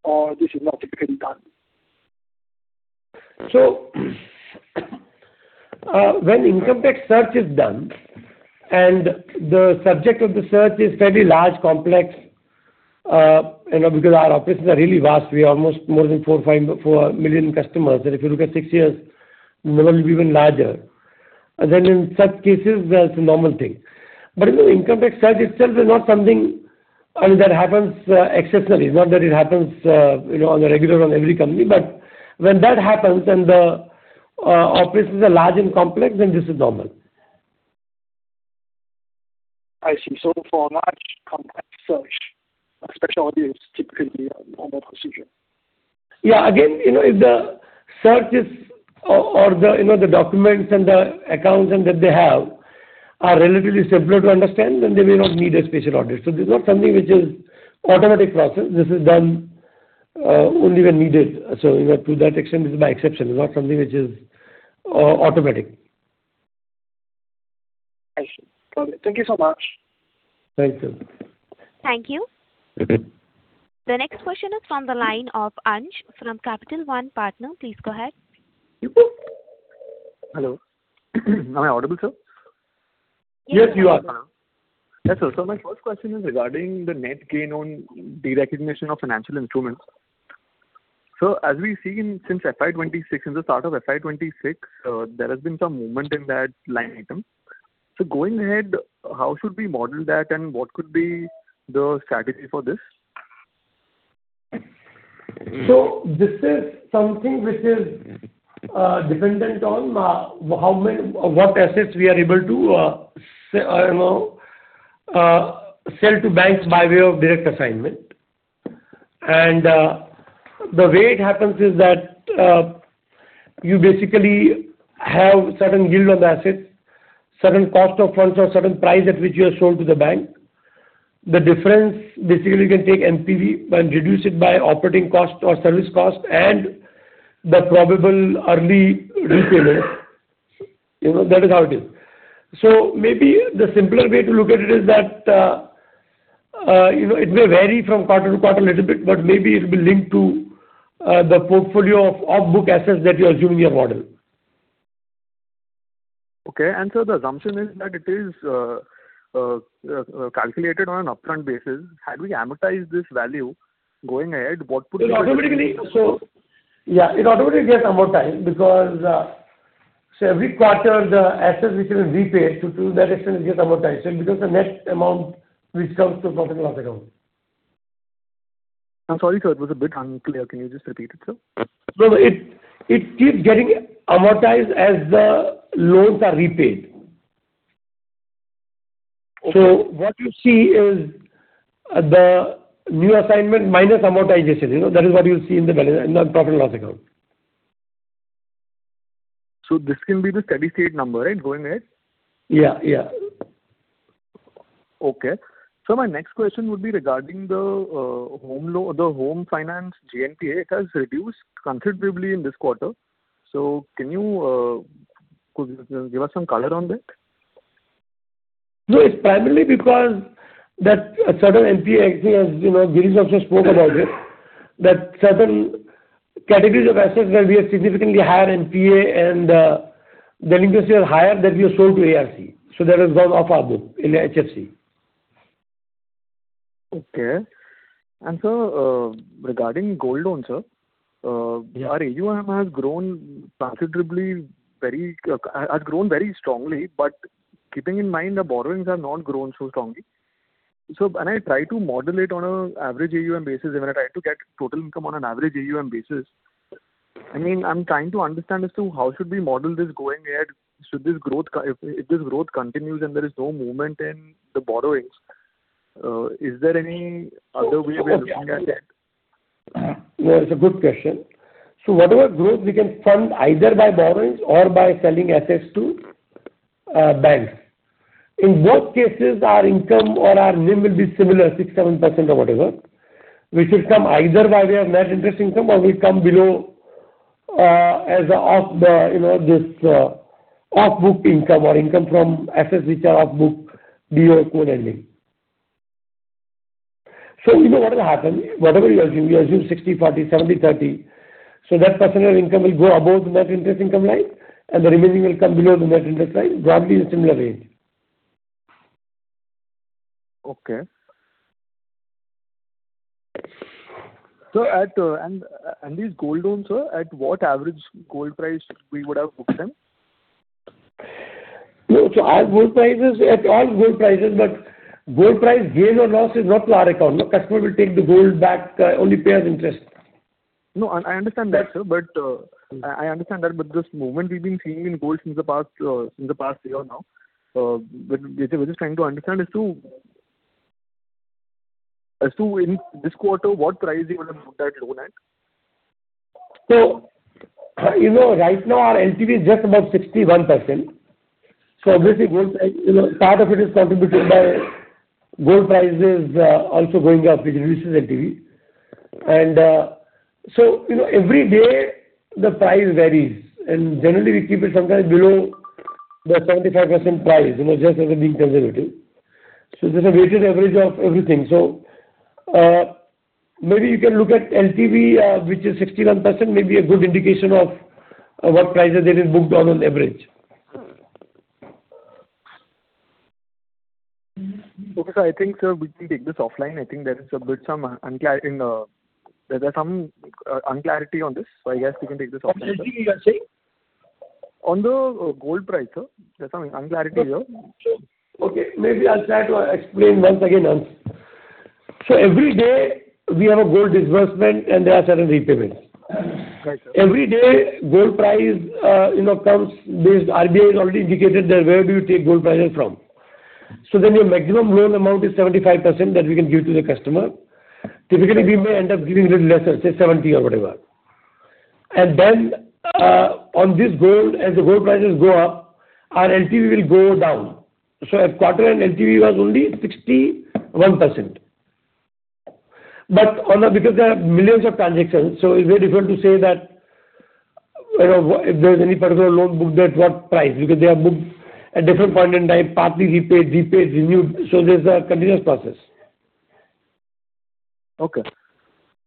or this is not typically done? So when income tax search is done and the subject of the search is fairly large, complex, because our operations are really vast. We are almost more than four million customers. And if you look at six years, normally we've been larger. Then in such cases, that's a normal thing. But income tax search itself is not something that happens exceptionally. It's not that it happens on a regular on every company. But when that happens and the operations are large and complex, then this is normal. I see. So for large complex search, a special audit is typically a normal procedure. Yeah. Again, if the searches or the documents and the accounts that they have are relatively simpler to understand, then they may not need a special audit. So this is not something which is automatic process. This is done only when needed. So to that extent, it's by exception. It's not something which is automatic. I see. Got it. Thank you so much. Thank you. Thank you. The next question is from the line of Anuj from Capital One Partners. Please go ahead. Hello. Am I audible, sir? Yes, you are, sir. Yes, sir. So my first question is regarding the net gain on derecognition of financial instruments. So as we've seen since FY 2026, since the start of FY 2026, there has been some movement in that line item. So going ahead, how should we model that and what could be the strategy for this? So this is something which is dependent on what assets we are able to sell to banks by way of direct assignment. And the way it happens is that you basically have certain yield on the assets, certain cost of funds or certain price at which you are sold to the bank. The difference basically you can take NPV and reduce it by operating cost or service cost and the probable early repayment. That is how it is. So maybe the simpler way to look at it is that it may vary from quarter to quarter a little bit, but maybe it will link to the portfolio of off-book assets that you're assuming you have modelled. Okay. And so the assumption is that it is calculated on an upfront basis. Had we amortized this value going ahead, what would be the? It automatically gets amortized because every quarter, the assets which have been repaid to that extent get amortized because the net amount which comes to the profit and loss account. I'm sorry, sir. It was a bit unclear. Can you just repeat it, sir? No, it keeps getting amortized as the loans are repaid. So what you see is the new assignment minus amortization. That is what you'll see in the profit and loss account. So this can be the steady-state number, right, going ahead? Yeah. Yeah. Okay. So my next question would be regarding the Home Finance GNPA. It has reduced considerably in this quarter. So can you give us some color on that? No. It's primarily because certain NPAs, actually, as Girish also spoke about it. That certain categories of assets where we have significantly higher NPAs and delinquency are higher, that we have sold to ARC. So that has gone off our books in HFC. Okay. And so regarding gold loans, sir, our AUM has grown considerably, has grown very strongly. But keeping in mind, the borrowings have not grown so strongly. So when I try to model it on an average AUM basis, when I try to get total income on an average AUM basis, I mean, I'm trying to understand as to how should we model this going ahead. If this growth continues and there is no movement in the borrowings, is there any other way of looking at it? That's a good question. So whatever growth, we can fund either by borrowings or by selling assets to banks. In both cases, our income or our NIM will be similar, 6%-7%, or whatever. We should come either by net interest income or we'll come below, as off-book income or income from assets which are off-book, DA, co-lending. So what will happen? Whatever you assume, we assume 60-40, 70-30. So that percentage of income will go above the net interest income line, and the remaining will come below the net interest line, probably in a similar range. Okay. And these gold loans, sir, at what average gold price we would have booked them? No. So our gold prices at all gold prices, but gold price gain or loss is not to our account. The customer will take the gold back, only pay as interest. No. I understand that, sir. But I understand that. But this movement we've been seeing in gold since the past year now, which we're just trying to understand as to this quarter, what price you would have booked that loan at? So right now, our LTV is just about 61%. So obviously, part of it is contributed by gold prices also going up, which reduces LTV. And so every day, the price varies. And generally, we keep it sometimes below the 75% price, just to be conservative. So there's a weighted average of everything. So maybe you can look at LTV, which is 61%, maybe a good indication of what prices they've been booked on average. Okay. So I think, sir, we can take this offline. I think there is a bit some unclarity. There's some unclarity on this. So I guess we can take this offline. What's the GNPA? On the gold price, sir, there's some unclarity here. Okay. Maybe I'll try to explain once again, Anuj. So every day, we have a gold disbursement, and there are certain repayments. Every day, gold price comes based RBI has already indicated where do you take gold prices from. So then your maximum loan amount is 75% that we can give to the customer. Typically, we may end up giving a little lesser, say 70 or whatever. And then on this gold, as the gold prices go up, our LTV will go down. So at quarter, LTV was only 61%. But because there are millions of transactions, so it's very difficult to say that if there's any particular loan booked at what price. Because they are booked at different point in time, partly repaid, repaid, renewed. So there's a continuous process. Okay.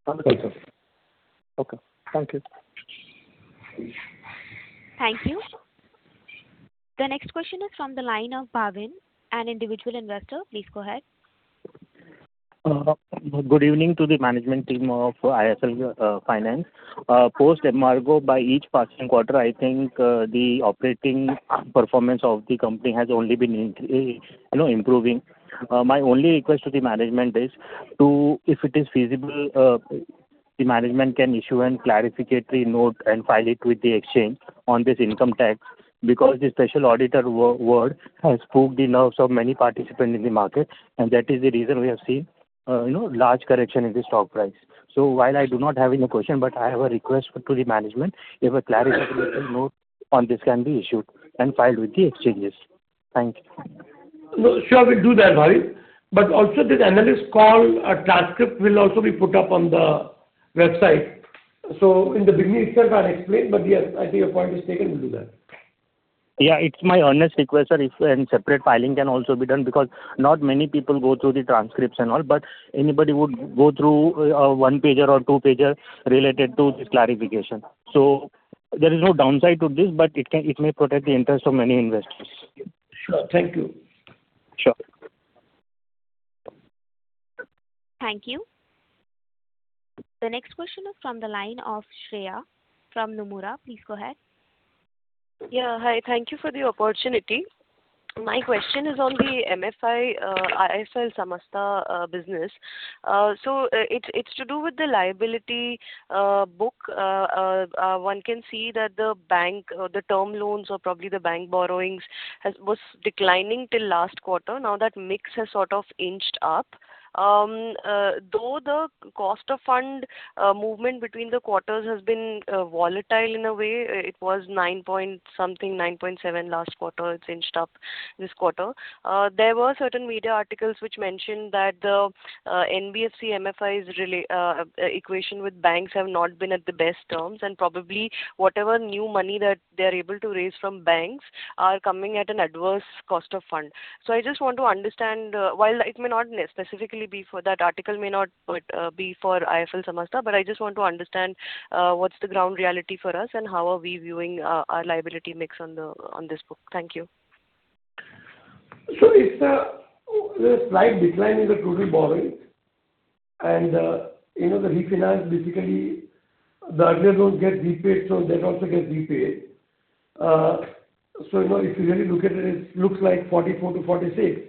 Understood, sir. Okay. Thank you. Thank you. The next question is from the line of Bhavin, an individual investor. Please go ahead. Good evening to the management team of IIFL Finance. Post-merger by each past quarter, I think the operating performance of the company has only been improving. My only request to the management is, if it is feasible, the management can issue a clarificatory note and file it with the exchange on this income tax because the special auditor word has spooked the nerves of many participants in the market. And that is the reason we have seen large correction in the stock price. So while I do not have any question, but I have a request to the management. If a clarificatory note on this can be issued and filed with the exchanges. Thanks. Sure. We'll do that, Bhavin. But also, this analyst call transcript will also be put up on the website. So in the beginning, it's not explained, but yes, I think your point is taken. We'll do that. Yeah. It's my earnest request, sir, if separate filing can also be done because not many people go through the transcripts and all. But anybody would go through one page or two pages related to this clarification. So there is no downside to this, but it may protect the interest of many investors. Sure. Thank you. Sure. Thank you. The next question is from the line of Shreya from Nomura. Please go ahead. Yeah. Hi. Thank you for the opportunity. My question is on the MFI, IIFL Samasta business. So it's to do with the liability book. One can see that the bank, the term loans or probably the bank borrowings was declining till last quarter. Now that mix has sort of inched up. Though the cost of fund movement between the quarters has been volatile in a way, it was 9.something%, 9.7% last quarter. It's inched up this quarter. There were certain media articles which mentioned that the NBFC MFI's equation with banks have not been at the best terms. And probably whatever new money that they are able to raise from banks are coming at an adverse cost of fund. So I just want to understand, while it may not specifically be for that article, may not be for IIFL Samasta, but I just want to understand what's the ground reality for us and how are we viewing our liability mix on this book. Thank you. So if there's a slight decline in the total borrowings and the refinance, basically, the earlier loans get repaid, so they also get repaid. So if you really look at it, it looks like 44%-46%.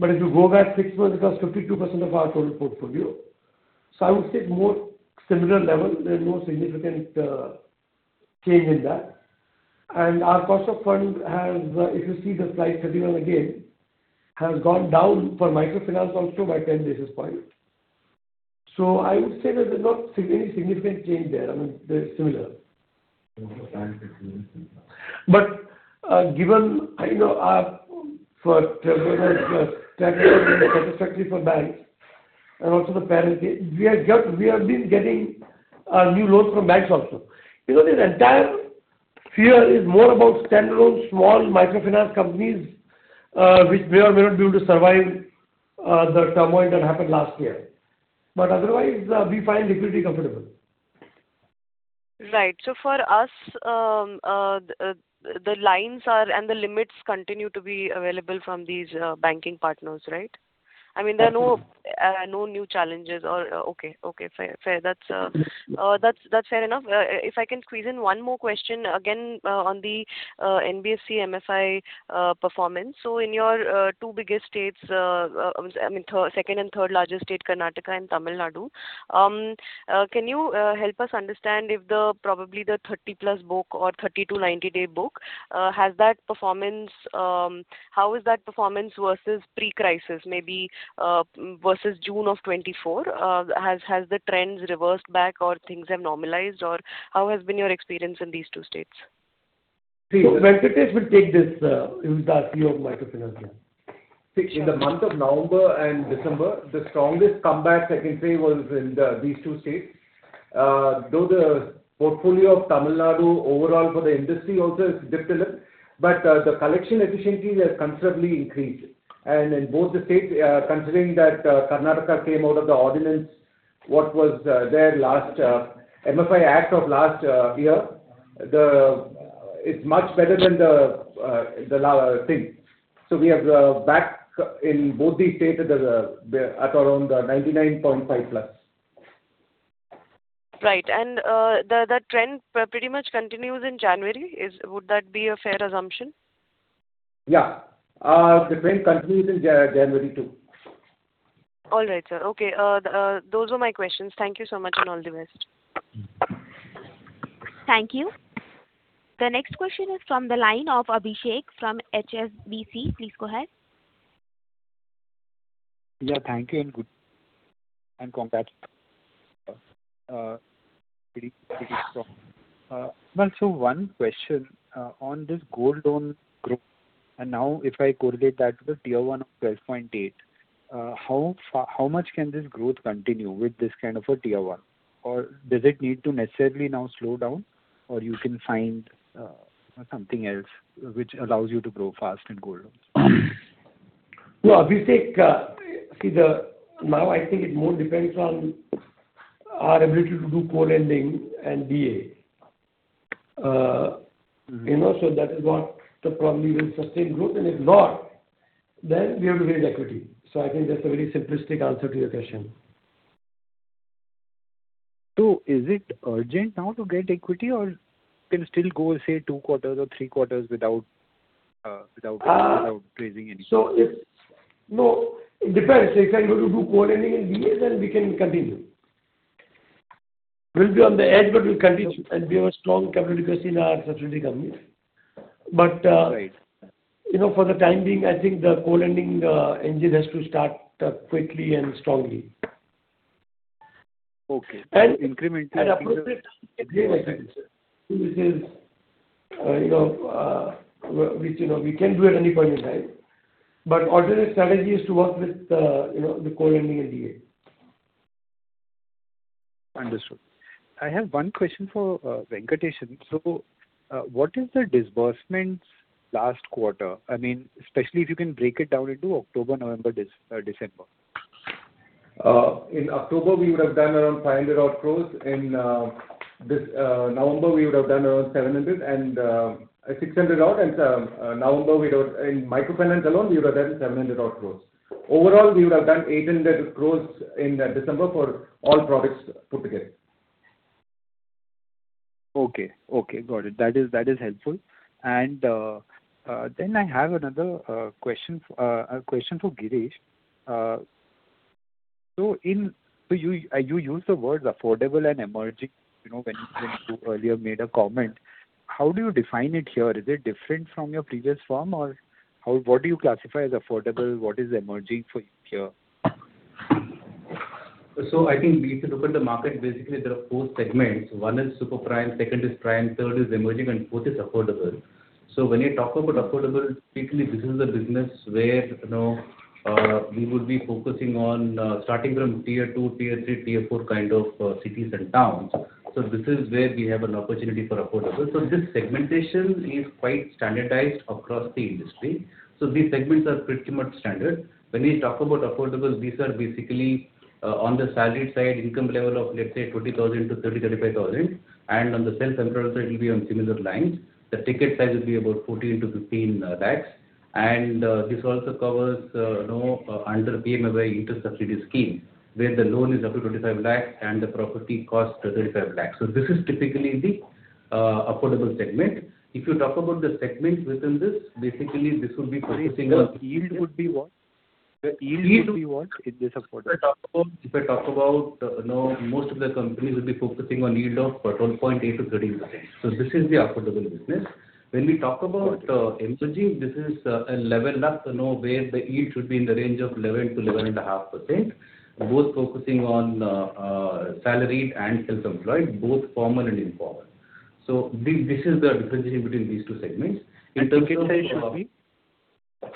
But if you go back six months, it was 52% of our total portfolio. So I would say it's more similar level. There's no significant change in that. And our cost of fund, if you see the slight steady one again, has gone down for microfinance also by 10 basis points. So I would say there's not any significant change there. I mean, they're similar. But given for term loans satisfactory for banks and also the parent guarantee, we have been getting new loans from banks also. The entire fear is more about standalone small microfinance companies which may or may not be able to survive the turmoil that happened last year. But otherwise, we find equity comfortable. Right. So for us, the lines and the limits continue to be available from these banking partners, right? I mean, there are no new challenges or okay. Fair. That's fair enough. If I can squeeze in one more question again on the NBFC MFI performance. So in your two biggest states, I mean, second and third largest state, Karnataka and Tamil Nadu, can you help us understand if probably the 30-plus book or 30 to 90-day book, how is that performance versus pre-crisis, maybe versus June of 2024? Has the trends reversed back or things have normalized? Or how has been your experience in these two states? Please. When it comes to this, you will tell us, CEO of microfinance. In the month of November and December, the strongest comebacks, I can say, was in these two states. Though the portfolio of Tamil Nadu overall for the industry also has dipped a little, but the collection efficiencies have considerably increased. And in both the states, considering that Karnataka came out of the ordinance, what was their last MFI act of last year, it's much better than the thing. So we have back in both these states at around 99.5% plus. Right, and the trend pretty much continues in January. Would that be a fair assumption? Yeah. The trend continues in January too. All right, sir. Okay. Those were my questions. Thank you so much and all the best. Thank you. The next question is from the line of Abhishek from HSBC. Please go ahead. Yeah. Thank you and good. And congrats. Well, so one question on this gold loan growth. And now, if I correlate that with a Tier 1 of 12.8, how much can this growth continue with this kind of a Tier 1? Or does it need to necessarily now slow down, or you can find something else which allows you to grow fast in gold loans? Abhishek, see, now I think it more depends on our ability to do co-lending and DA. So that is what probably will sustain growth. And if not, then we have to raise equity. So I think that's a very simplistic answer to your question. Is it urgent now to get equity, or can still go, say, two quarters or three quarters without raising anything? No. It depends. If I go to do Co-Lending and DA, then we can continue. We'll be on the edge, but we'll continue. And we have a strong capital investment in our subsidiary company. But for the time being, I think the Co-Lending engine has to start quickly and strongly. Okay, and incremental. And appropriate equity, which is, we can do at any point in time. But alternative strategy is to work with the co-lending and DA. Understood. I have one question for Venkatesh. So what is the disbursement last quarter? I mean, especially if you can break it down into October, November, December. In October, we would have done around 500-odd growth. In November, we would have done around 700 and 600-odd. And in microfinance alone, we would have done 700-odd growth. Overall, we would have done 800-odd growth in December for all products put together. Okay. Okay. Got it. That is helpful. And then I have another question for Girish. So you used the words affordable and emerging when you earlier made a comment. How do you define it here? Is it different from your previous form, or what do you classify as affordable? What is emerging for you here? I think if you look at the market, basically, there are four segments. One is super prime, second is prime, third is emerging, and fourth is affordable. When you talk about affordable, typically, this is the business where we would be focusing on starting from tier two, tier three, tier four kind of cities and towns. This is where we have an opportunity for affordable. This segmentation is quite standardized across the industry. These segments are pretty much standard. When we talk about affordable, these are basically on the salary side, income level of, let's say, 20,000-35,000. And on the self-employed, it will be on similar lines. The ticket size will be about 14-15 lakhs. And this also covers under PMAY interest subsidy scheme, where the loan is up to 25 lakhs and the property cost 35 lakhs. This is typically the affordable segment. If you talk about the segment within this, basically, this would be focusing on. So yield would be what? The yield would be what in this affordable? If I talk about most of the companies would be focusing on yield of 12.8%-13%. So this is the affordable business. When we talk about emerging, this is a level up where the yield should be in the range of 11%-11.5%, both focusing on salaried and self-employed, both formal and informal. So this is the differentiation between these two segments. Ticket size should be?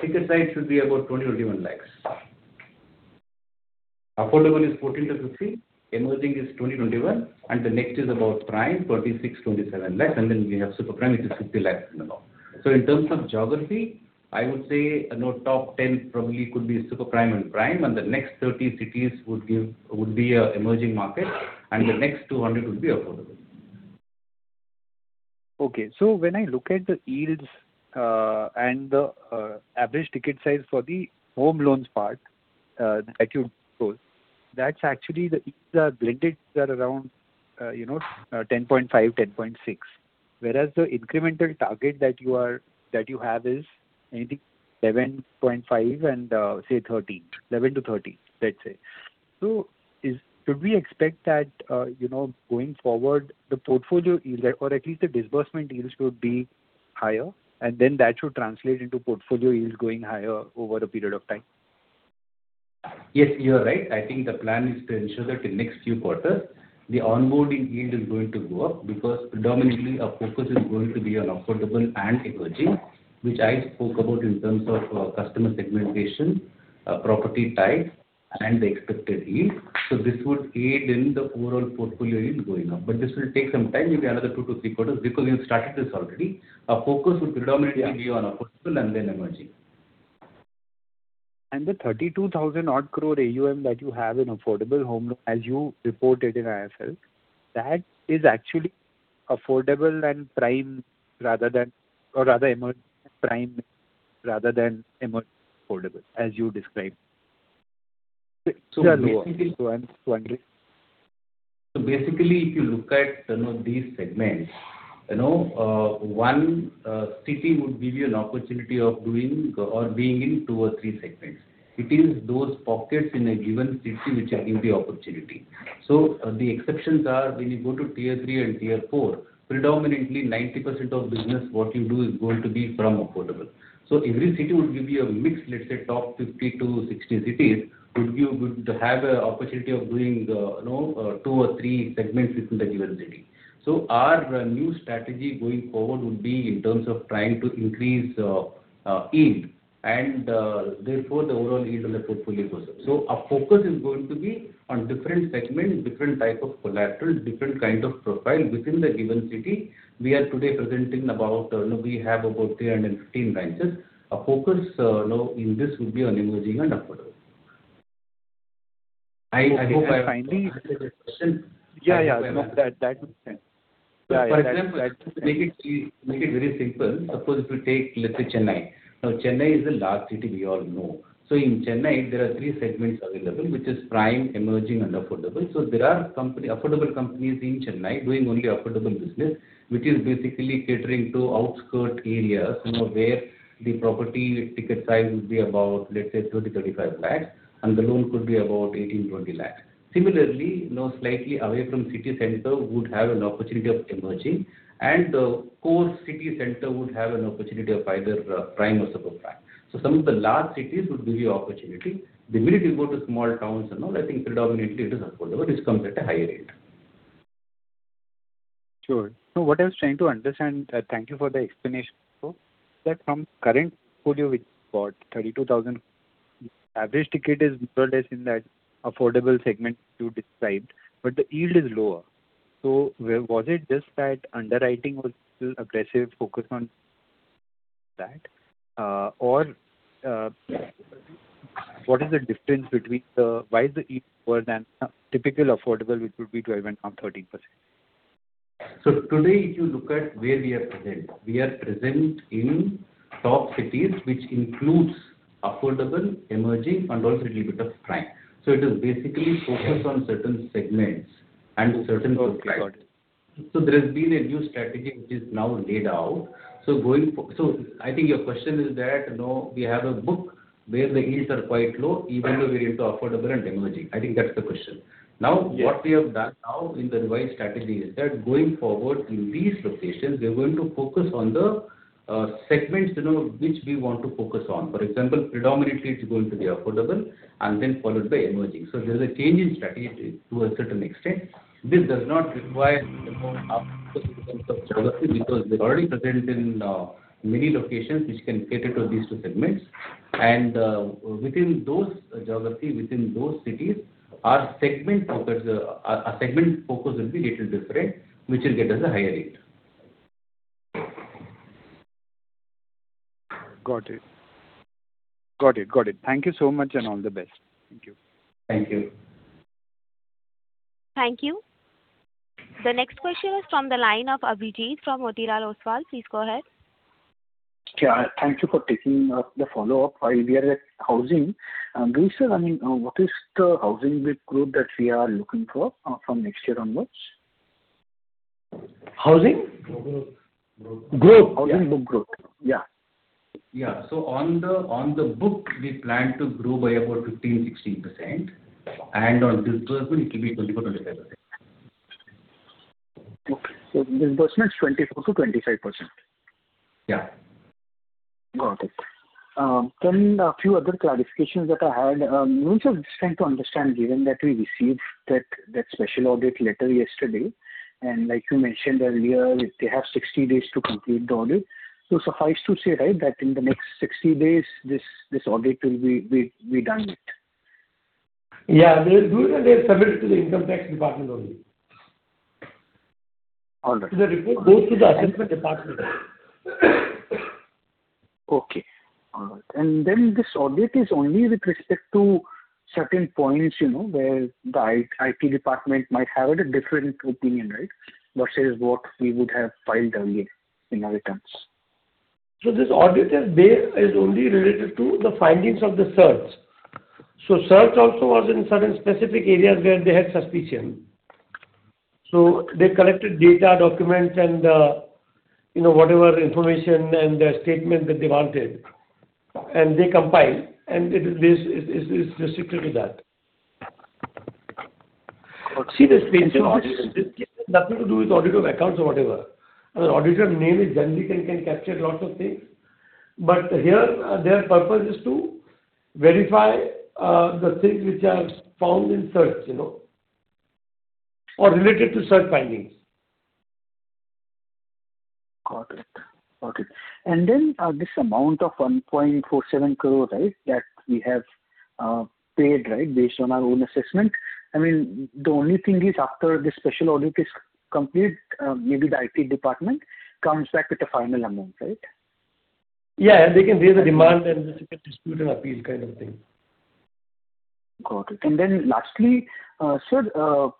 Ticket size should be about 20-21 lakhs. Affordable is 14-15. Emerging is 20-21. And the next is about prime, 26-27 lakhs. And then we have super prime, which is 50 lakhs and above. So in terms of geography, I would say top 10 probably could be super prime and prime. And the next 30 cities would be emerging market. And the next 200 would be affordable. Okay. So when I look at the yields and the average ticket size for the home loans part that you told, that's actually the blended that are around 10.5%-10.6%. Whereas the incremental target that you have is anything 11.5% and say 13%, 11%-13%, let's say. So should we expect that going forward, the portfolio yield or at least the disbursement yield should be higher? And then that should translate into portfolio yields going higher over a period of time. Yes, you are right. I think the plan is to ensure that in the next few quarters, the onboarding yield is going to go up because predominantly, our focus is going to be on affordable and emerging, which I spoke about in terms of customer segmentation, property type, and the expected yield. So this would aid in the overall portfolio yield going up. But this will take some time, maybe another two to three quarters because we have started this already. Our focus would predominantly be on affordable and then emerging. The 32,000-odd crore AUM that you have in affordable home loan, as you reported in HFL, that is actually affordable and prime rather than or rather emerging and prime rather than emerging affordable, as you described. So basically, if you look at these segments, one city would give you an opportunity of doing or being in two or three segments. It is those pockets in a given city which are giving the opportunity. So the exceptions are when you go to tier three and tier four, predominantly 90% of business what you do is going to be from affordable. So every city would give you a mix, let's say top 50-60 cities would have an opportunity of doing two or three segments within the given city. So our new strategy going forward would be in terms of trying to increase yield and therefore the overall yield on the portfolio growth. So our focus is going to be on different segments, different type of collateral, different kind of profile within the given city. We are today presenting about we have about 315 branches. Our focus in this would be on emerging and affordable. I finally understood the question. Yeah, yeah. That makes sense. For example, to make it very simple, suppose if you take, let's say, Chennai. Now, Chennai is the largest city we all know. So in Chennai, there are three segments available, which is prime, emerging, and affordable. So there are affordable companies in Chennai doing only affordable business, which is basically catering to outskirts areas where the property ticket size would be about, let's say, 30 lakhs-INR35 lakhs, and the loan could be about 18-20 lakhs. Similarly, slightly away from city center would have an opportunity of emerging. And the core city center would have an opportunity of either prime or super prime. So some of the largest cities would give you opportunity. The minute you go to small towns and all, I think predominantly it is affordable. This comes at a higher rate. Sure. So what I was trying to understand, thank you for the explanation, is that from current portfolio which is about 32,000, average ticket is more or less in that affordable segment you described, but the yield is lower. So was it just that underwriting was still aggressive focus on that? Or what is the difference between the why is the yield lower than typical affordable, which would be 12% and 13%? So today, if you look at where we are present, we are present in top cities, which includes affordable, emerging, and also a little bit of prime. So it is basically focused on certain segments and certain profiles. So there has been a new strategy which is now laid out. So I think your question is that we have a book where the yields are quite low, even though we're into affordable and emerging. I think that's the question. Now, what we have done now in the revised strategy is that going forward in these locations, we're going to focus on the segments which we want to focus on. For example, predominantly, it's going to be affordable and then followed by emerging. So there is a change in strategy to a certain extent. This does not require our focus in terms of geography because we're already present in many locations which can cater to these two segments. And within those geographies, within those cities, our segment focus will be a little different, which will get us a higher yield. Got it. Got it. Got it. Thank you so much and all the best. Thank you. Thank you. Thank you. The next question is from the line of Abhijit from Motilal Oswal. Please go ahead. Yeah. Thank you for taking the follow-up. While we are at housing, Girish sir, I mean, what is the housing growth that we are looking for from next year onwards? Housing? Growth. Growth. Housing book growth. Yeah. Yeah. So on the book, we plan to grow by about 15%-16%. And on disbursement, it will be 24%-25%. Okay, so disbursement is 24%-25%. Yeah. Got it. Then a few other clarifications that I had. Nirmal sir, just trying to understand, given that we received that special audit letter yesterday, and like you mentioned earlier, they have 60 days to complete the audit. So suffice to say, right, that in the next 60 days, this audit will be done? Yeah. They submit it to the Income Tax Department only. All right. The report goes to the Assessment Department. And then this audit is only with respect to certain points where the IT department might have a different opinion, right, versus what we would have filed earlier in our returns? So this audit is only related to the findings of the search. So search also was in certain specific areas where they had suspicion. So they collected data, documents, and whatever information and statement that they wanted. And they compiled. And it is restricted to that. Okay. See, this audit has nothing to do with audit of accounts or whatever. I mean, auditor name is Dandy and can capture lots of things. But here, their purpose is to verify the things which are found in search or related to search findings. Got it. Okay. And then this amount of 1.47 crore, right, that we have paid, right, based on our own assessment, I mean, the only thing is after this special audit is complete, maybe the IT department comes back with the final amount, right? Yeah. And they can raise a demand and dispute and appeal kind of thing. Got it. And then lastly, sir,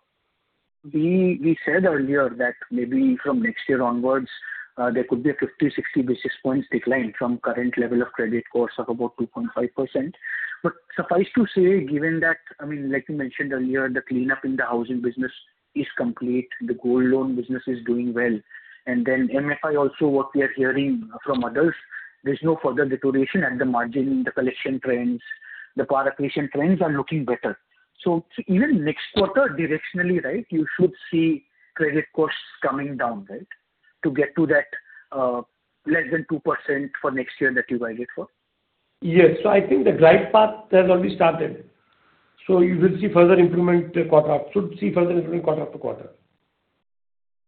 we said earlier that maybe from next year onwards, there could be a 50-60 basis points decline from current level of credit cost of about 2.5%. But suffice to say, given that, I mean, like you mentioned earlier, the cleanup in the housing business is complete. The gold loan business is doing well. And then MFI also, what we are hearing from others, there's no further deterioration at the margin, the collection trends, the precautionary trends are looking better. So even next quarter, directionally, right, you should see credit costs coming down, right, to get to that less than 2% for next year that you guided for? Yes. So I think the drive path has already started. So you will see further improvement quarter after quarter.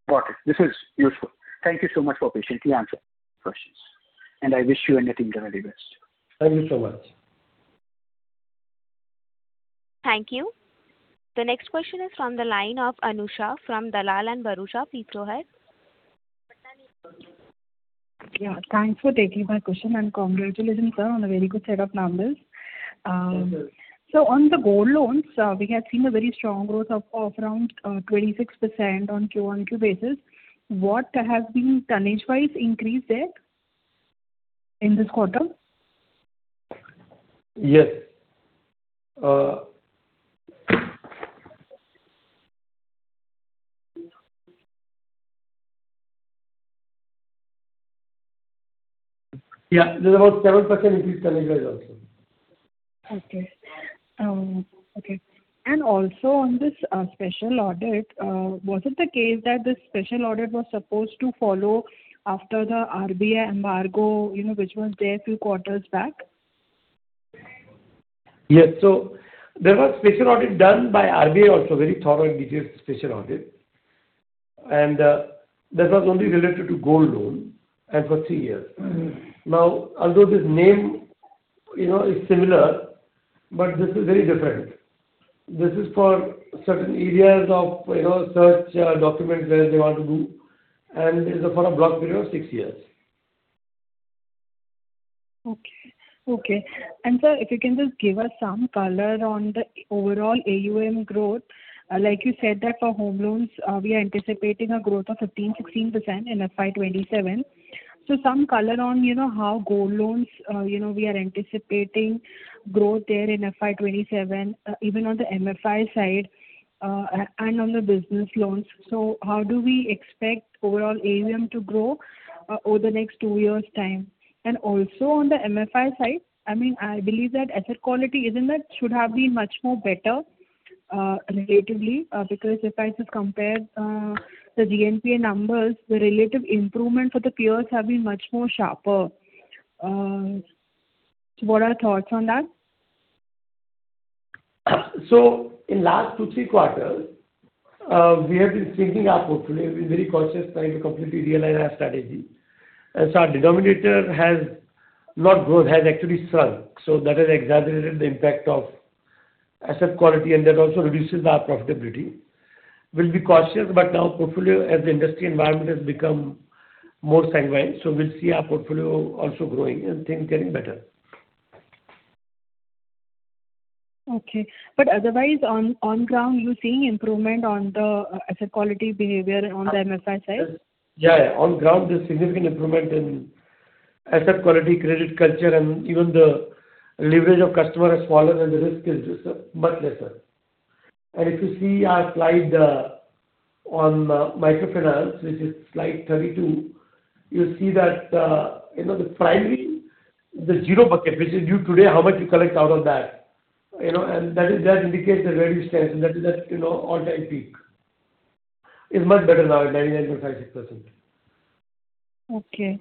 Got it. This is useful. Thank you so much for patiently answering questions. And I wish you and N. Venkatesh the very best. Thank you so much. Thank you. The next question is from the line of Anusha from Dalal & Broacha. Please go ahead. Yeah. Thanks for taking my question. And congratulations, sir, on a very good set of numbers. Thank you. So on the gold loans, we have seen a very strong growth of around 26% on Q1 Q-o-Q basis. What has been tonnage-wise increase there in this quarter? Yes. Yeah. There's about 7% increase tonnage-wise also. Okay. And also on this special audit, was it the case that the special audit was supposed to follow after the RBI embargo, which was there a few quarters back? Yes. So there was special audit done by RBI also, very thorough and detailed special audit. And that was only related to gold loan and for three years. Now, although this name is similar, but this is very different. This is for certain areas of search documents where they want to do. And it's for a block period of six years. Okay. Okay. And sir, if you can just give us some color on the overall AUM growth. Like you said that for home loans, we are anticipating a growth of 15%-16% in FY 27. So some color on how gold loans we are anticipating growth there in FY 27, even on the MFI side and on the business loans. So how do we expect overall AUM to grow over the next two years' time? And also on the MFI side, I mean, I believe that asset quality, isn't that should have been much more better relatively? Because if I just compare the GNPA numbers, the relative improvement for the peers have been much more sharper. So what are thoughts on that? In the last two or three quarters, we have been shrinking our portfolio. We're very cautious trying to completely realign our strategy. Our denominator has not grown, has actually shrunk. That has exaggerated the impact of asset quality, and that also reduces our profitability. We'll be cautious, but now portfolio, as the industry environment has become more sanguine, we'll see our portfolio also growing and things getting better. Okay. But otherwise, on ground, you're seeing improvement on the asset quality behavior on the MFI side? Yeah. On ground, there's significant improvement in asset quality, credit culture, and even the leverage of customer has fallen, and the risk is much lesser. And if you see our slide on microfinance, which is slide 32, you'll see that the primary, the zero bucket, which is noted today, how much you collect out of that. And that indicates the recovery stance, and that is at all-time peak. It's much better now at 99.56%. Okay.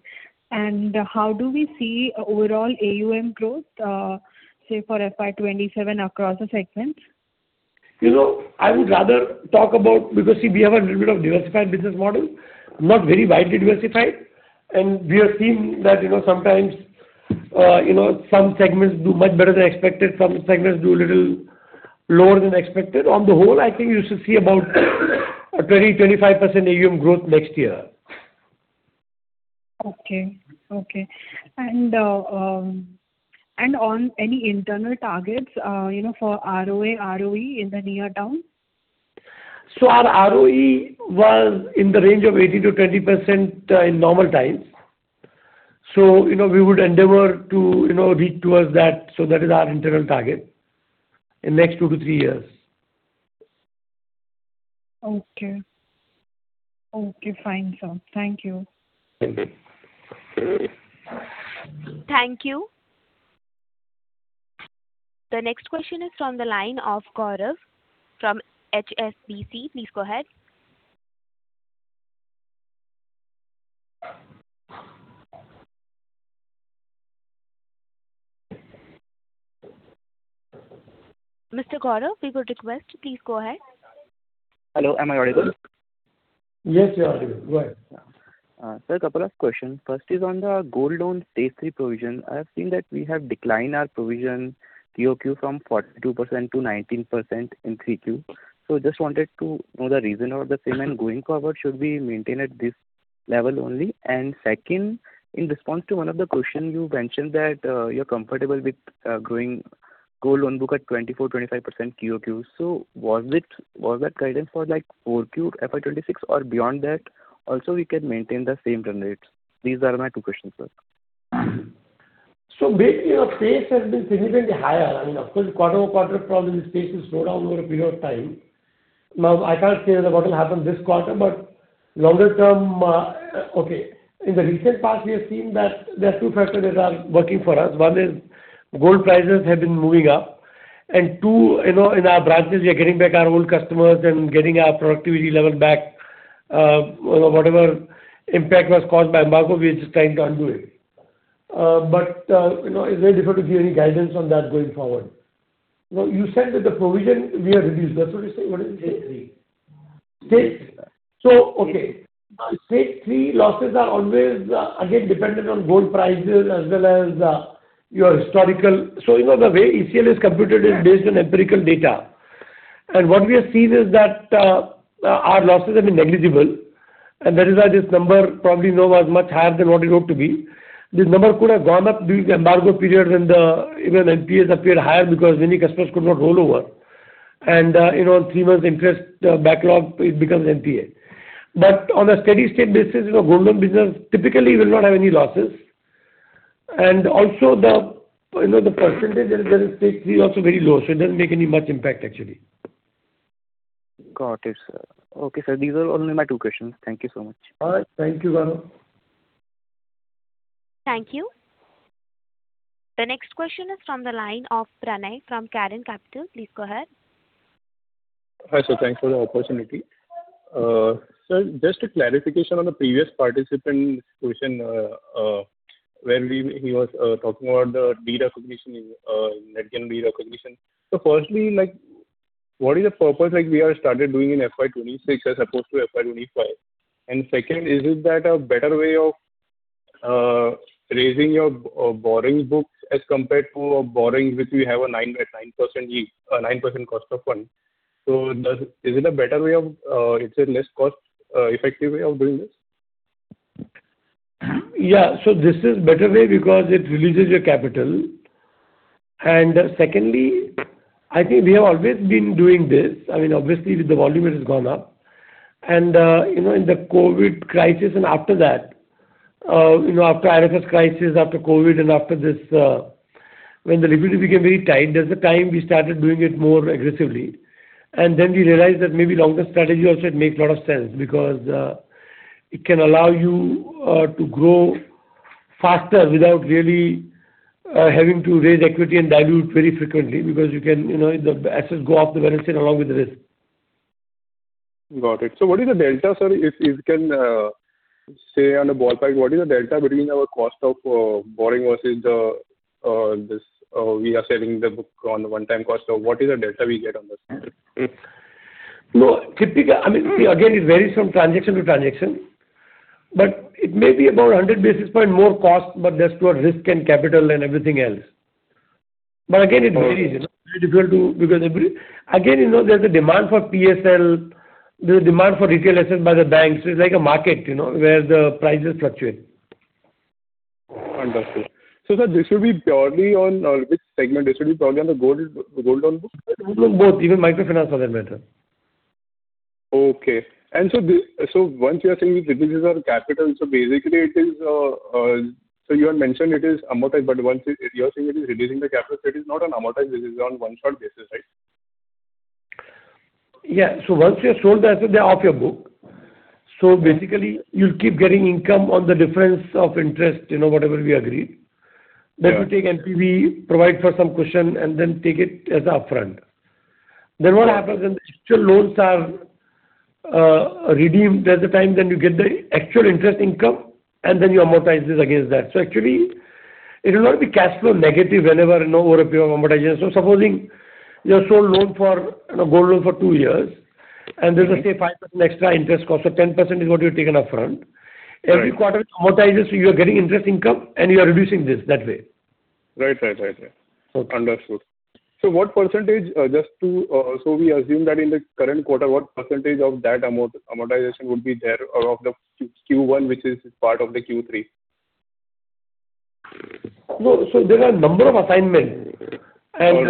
And how do we see overall AUM growth, say, for FY 2027 across the segments? I would rather talk about because, see, we have a little bit of diversified business model, not very widely diversified. And we have seen that sometimes some segments do much better than expected. Some segments do a little lower than expected. On the whole, I think you should see about 20%-25% AUM growth next year. Okay. And on any internal targets for ROA, ROE in the near term? Our ROE was in the range of 18%-20% in normal times. We would endeavor to reach towards that. That is our internal target in the next two to three years. Okay. Okay. Fine, sir. Thank you. Thank you. The next question is from the line of Gaurav from HSBC. Please go ahead. Mr. Gaurav, we would request to please go ahead. Hello. Am I audible? Yes, you're audible. Go ahead. Sir, a couple of questions. First is on the gold loan Stage 3 provision. I have seen that we have declined our provision Q-o-Q from 42% to 19% in 3Q. So I just wanted to know the reason for the same and going forward should we maintain at this level only? And second, in response to one of the questions, you mentioned that you're comfortable with growing gold loan book at 24%-25% TOQ. So was that guidance for 4Q, FY 2026, or beyond that? Also, we can maintain the same turn rates. These are my two questions, sir. So basically, our pace has been significantly higher. I mean, of course, quarter over quarter, probably the pace has slowed down over a period of time. Now, I can't say that what will happen this quarter, but longer-term, okay, in the recent past, we have seen that there are two factors that are working for us. One is gold prices have been moving up. And two, in our branches, we are getting back our old customers and getting our productivity level back. Whatever impact was caused by embargo, we are just trying to undo it. But it's very difficult to give any guidance on that going forward. You said that the provision we have reduced. That's what you say? What did you say? Stage 3. So okay. Stage three losses are always, again, dependent on gold prices as well as your historical. So the way ECL is computed is based on empirical data. And what we have seen is that our losses have been negligible. And that is why this number probably was much higher than what it ought to be. This number could have gone up during the embargo period when the even NPAs appeared higher because many customers could not roll over. And in three months, interest backlog, it becomes NPA. But on a steady-state basis, gold loan business typically will not have any losses. And also, the percentage that is there in stage three is also very low. So it doesn't make any much impact, actually. Got it, sir. Okay, sir. These are only my two questions. Thank you so much. All right. Thank you, Gaurav. Thank you. The next question is from the line of Pranay from Carnelian Asset Management & Advisors. Please go ahead. Hi, sir. Thanks for the opportunity. Sir, just a clarification on the previous participant's question where he was talking about the de-recognition, net gain de-recognition. So firstly, what is the purpose we have started doing in FY 2026 as opposed to FY 2025? And second, is it that a better way of raising your borrowing books as compared to a borrowing which we have a 9% cost of fund? So is it a better way of, let's say, less cost-effective way of doing this? Yeah. So this is a better way because it reduces your capital. And secondly, I think we have always been doing this. I mean, obviously, with the volume, it has gone up. And in the COVID crisis and after that, after IL&FS crisis, after COVID, and after this, when the liquidity became very tight, there was a time we started doing it more aggressively. And then we realized that maybe long-term strategy also makes a lot of sense because it can allow you to grow faster without really having to raise equity and dilute very frequently because you can get assets off the balance sheet along with the risk. Got it. So what is the delta, sir? If you can say on a ballpark, what is the delta between our cost of borrowing versus this we are selling the book on the one-time cost? What is the delta we get on this? Typically, I mean, again, it varies from transaction to transaction. But it may be about 100 basis points more cost, but that's to our risk and capital and everything else. But again, it varies. It's very difficult to because again, there's a demand for PSL. There's a demand for retail assets by the banks. It's like a market where the prices fluctuate. Understood. So sir, this should be purely on which segment? This should be purely on the gold loan book? Gold loan, both. Even microfinance for that matter. Okay. And so once you are saying it reduces our capital, so basically, it is so you had mentioned it is amortized, but once you are saying it is reducing the capital, so it is not on amortized. This is on one-shot basis, right? Yeah. So once you have sold the asset, they're off your book. So basically, you'll keep getting income on the difference of interest, whatever we agreed. Then you take NPV, provide for some cushion, and then take it as an upfront. Then what happens when the actual loans are redeemed? There's a time then you get the actual interest income, and then you amortize this against that. So actually, it will not be cash flow negative whenever over a period of amortization. So supposing you have sold gold loan for two years, and there's a, say, 5% extra interest cost, so 10% is what you're taking upfront. Every quarter, it amortizes, so you are getting interest income, and you are reducing this that way. Right. Understood. So what percentage, just so we assume that in the current quarter, what percentage of that amortization would be there of the Q1, which is part of the Q3? So there are a number of assignments. And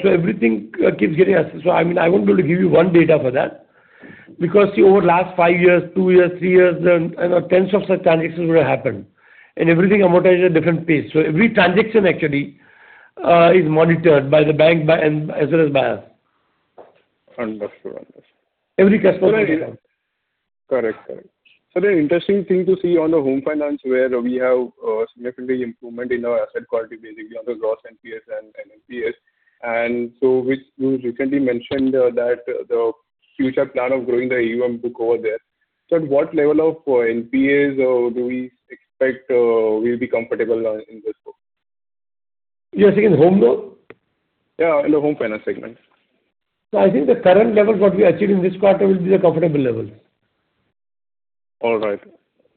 so everything keeps getting assigned. So I mean, I won't be able to give you one data for that because over the last five years, two years, three years, tens of such transactions would have happened. And everything amortizes at a different pace. So every transaction actually is monitored by the bank as well as by us. Understood, understood. Every customer's data. Correct, correct. So the interesting thing to see on the home finance where we have significantly improvement in our asset quality, basically on the gross NPAs and NPAs. And so you recently mentioned that the future plan of growing the AUM book over there. So at what level of NPAs do we expect we'll be comfortable in this book? You're saying in home loan? Yeah, in the home finance segment. I think the current level what we achieved in this quarter will be the comfortable levels. All right.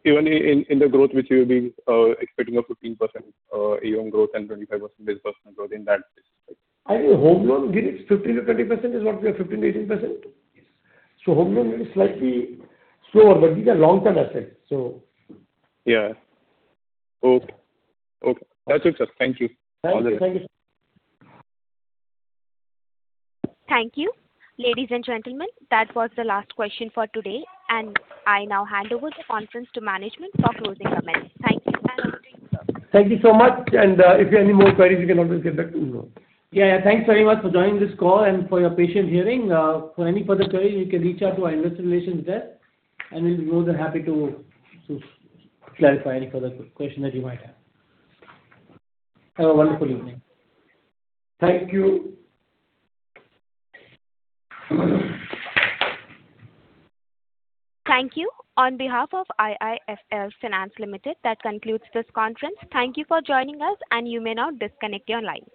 Even in the growth, which we will be expecting a 15% AUM growth and 25 basis points growth on that basis. I think home loan, again, it's 15%-20% is what we are, 15%-18%. So home loan is slightly slower, but these are long-term assets, so. Yeah. Okay. Okay. That's it, sir. Thank you. Thank you. Thank you, sir. Thank you. Ladies and gentlemen, that was the last question for today. And I now hand over the conference to management for closing comments. Thank you. Thank you so much. And if you have any more queries, you can always get back to me. Yeah, yeah. Thanks very much for joining this call and for your patient hearing. For any further queries, you can reach out to our investor relations desk, and we'll be more than happy to clarify any further questions that you might have. Have a wonderful evening. Thank you. Thank you. On behalf of IIFL Finance Limited, that concludes this conference. Thank you for joining us, and you may now disconnect your line.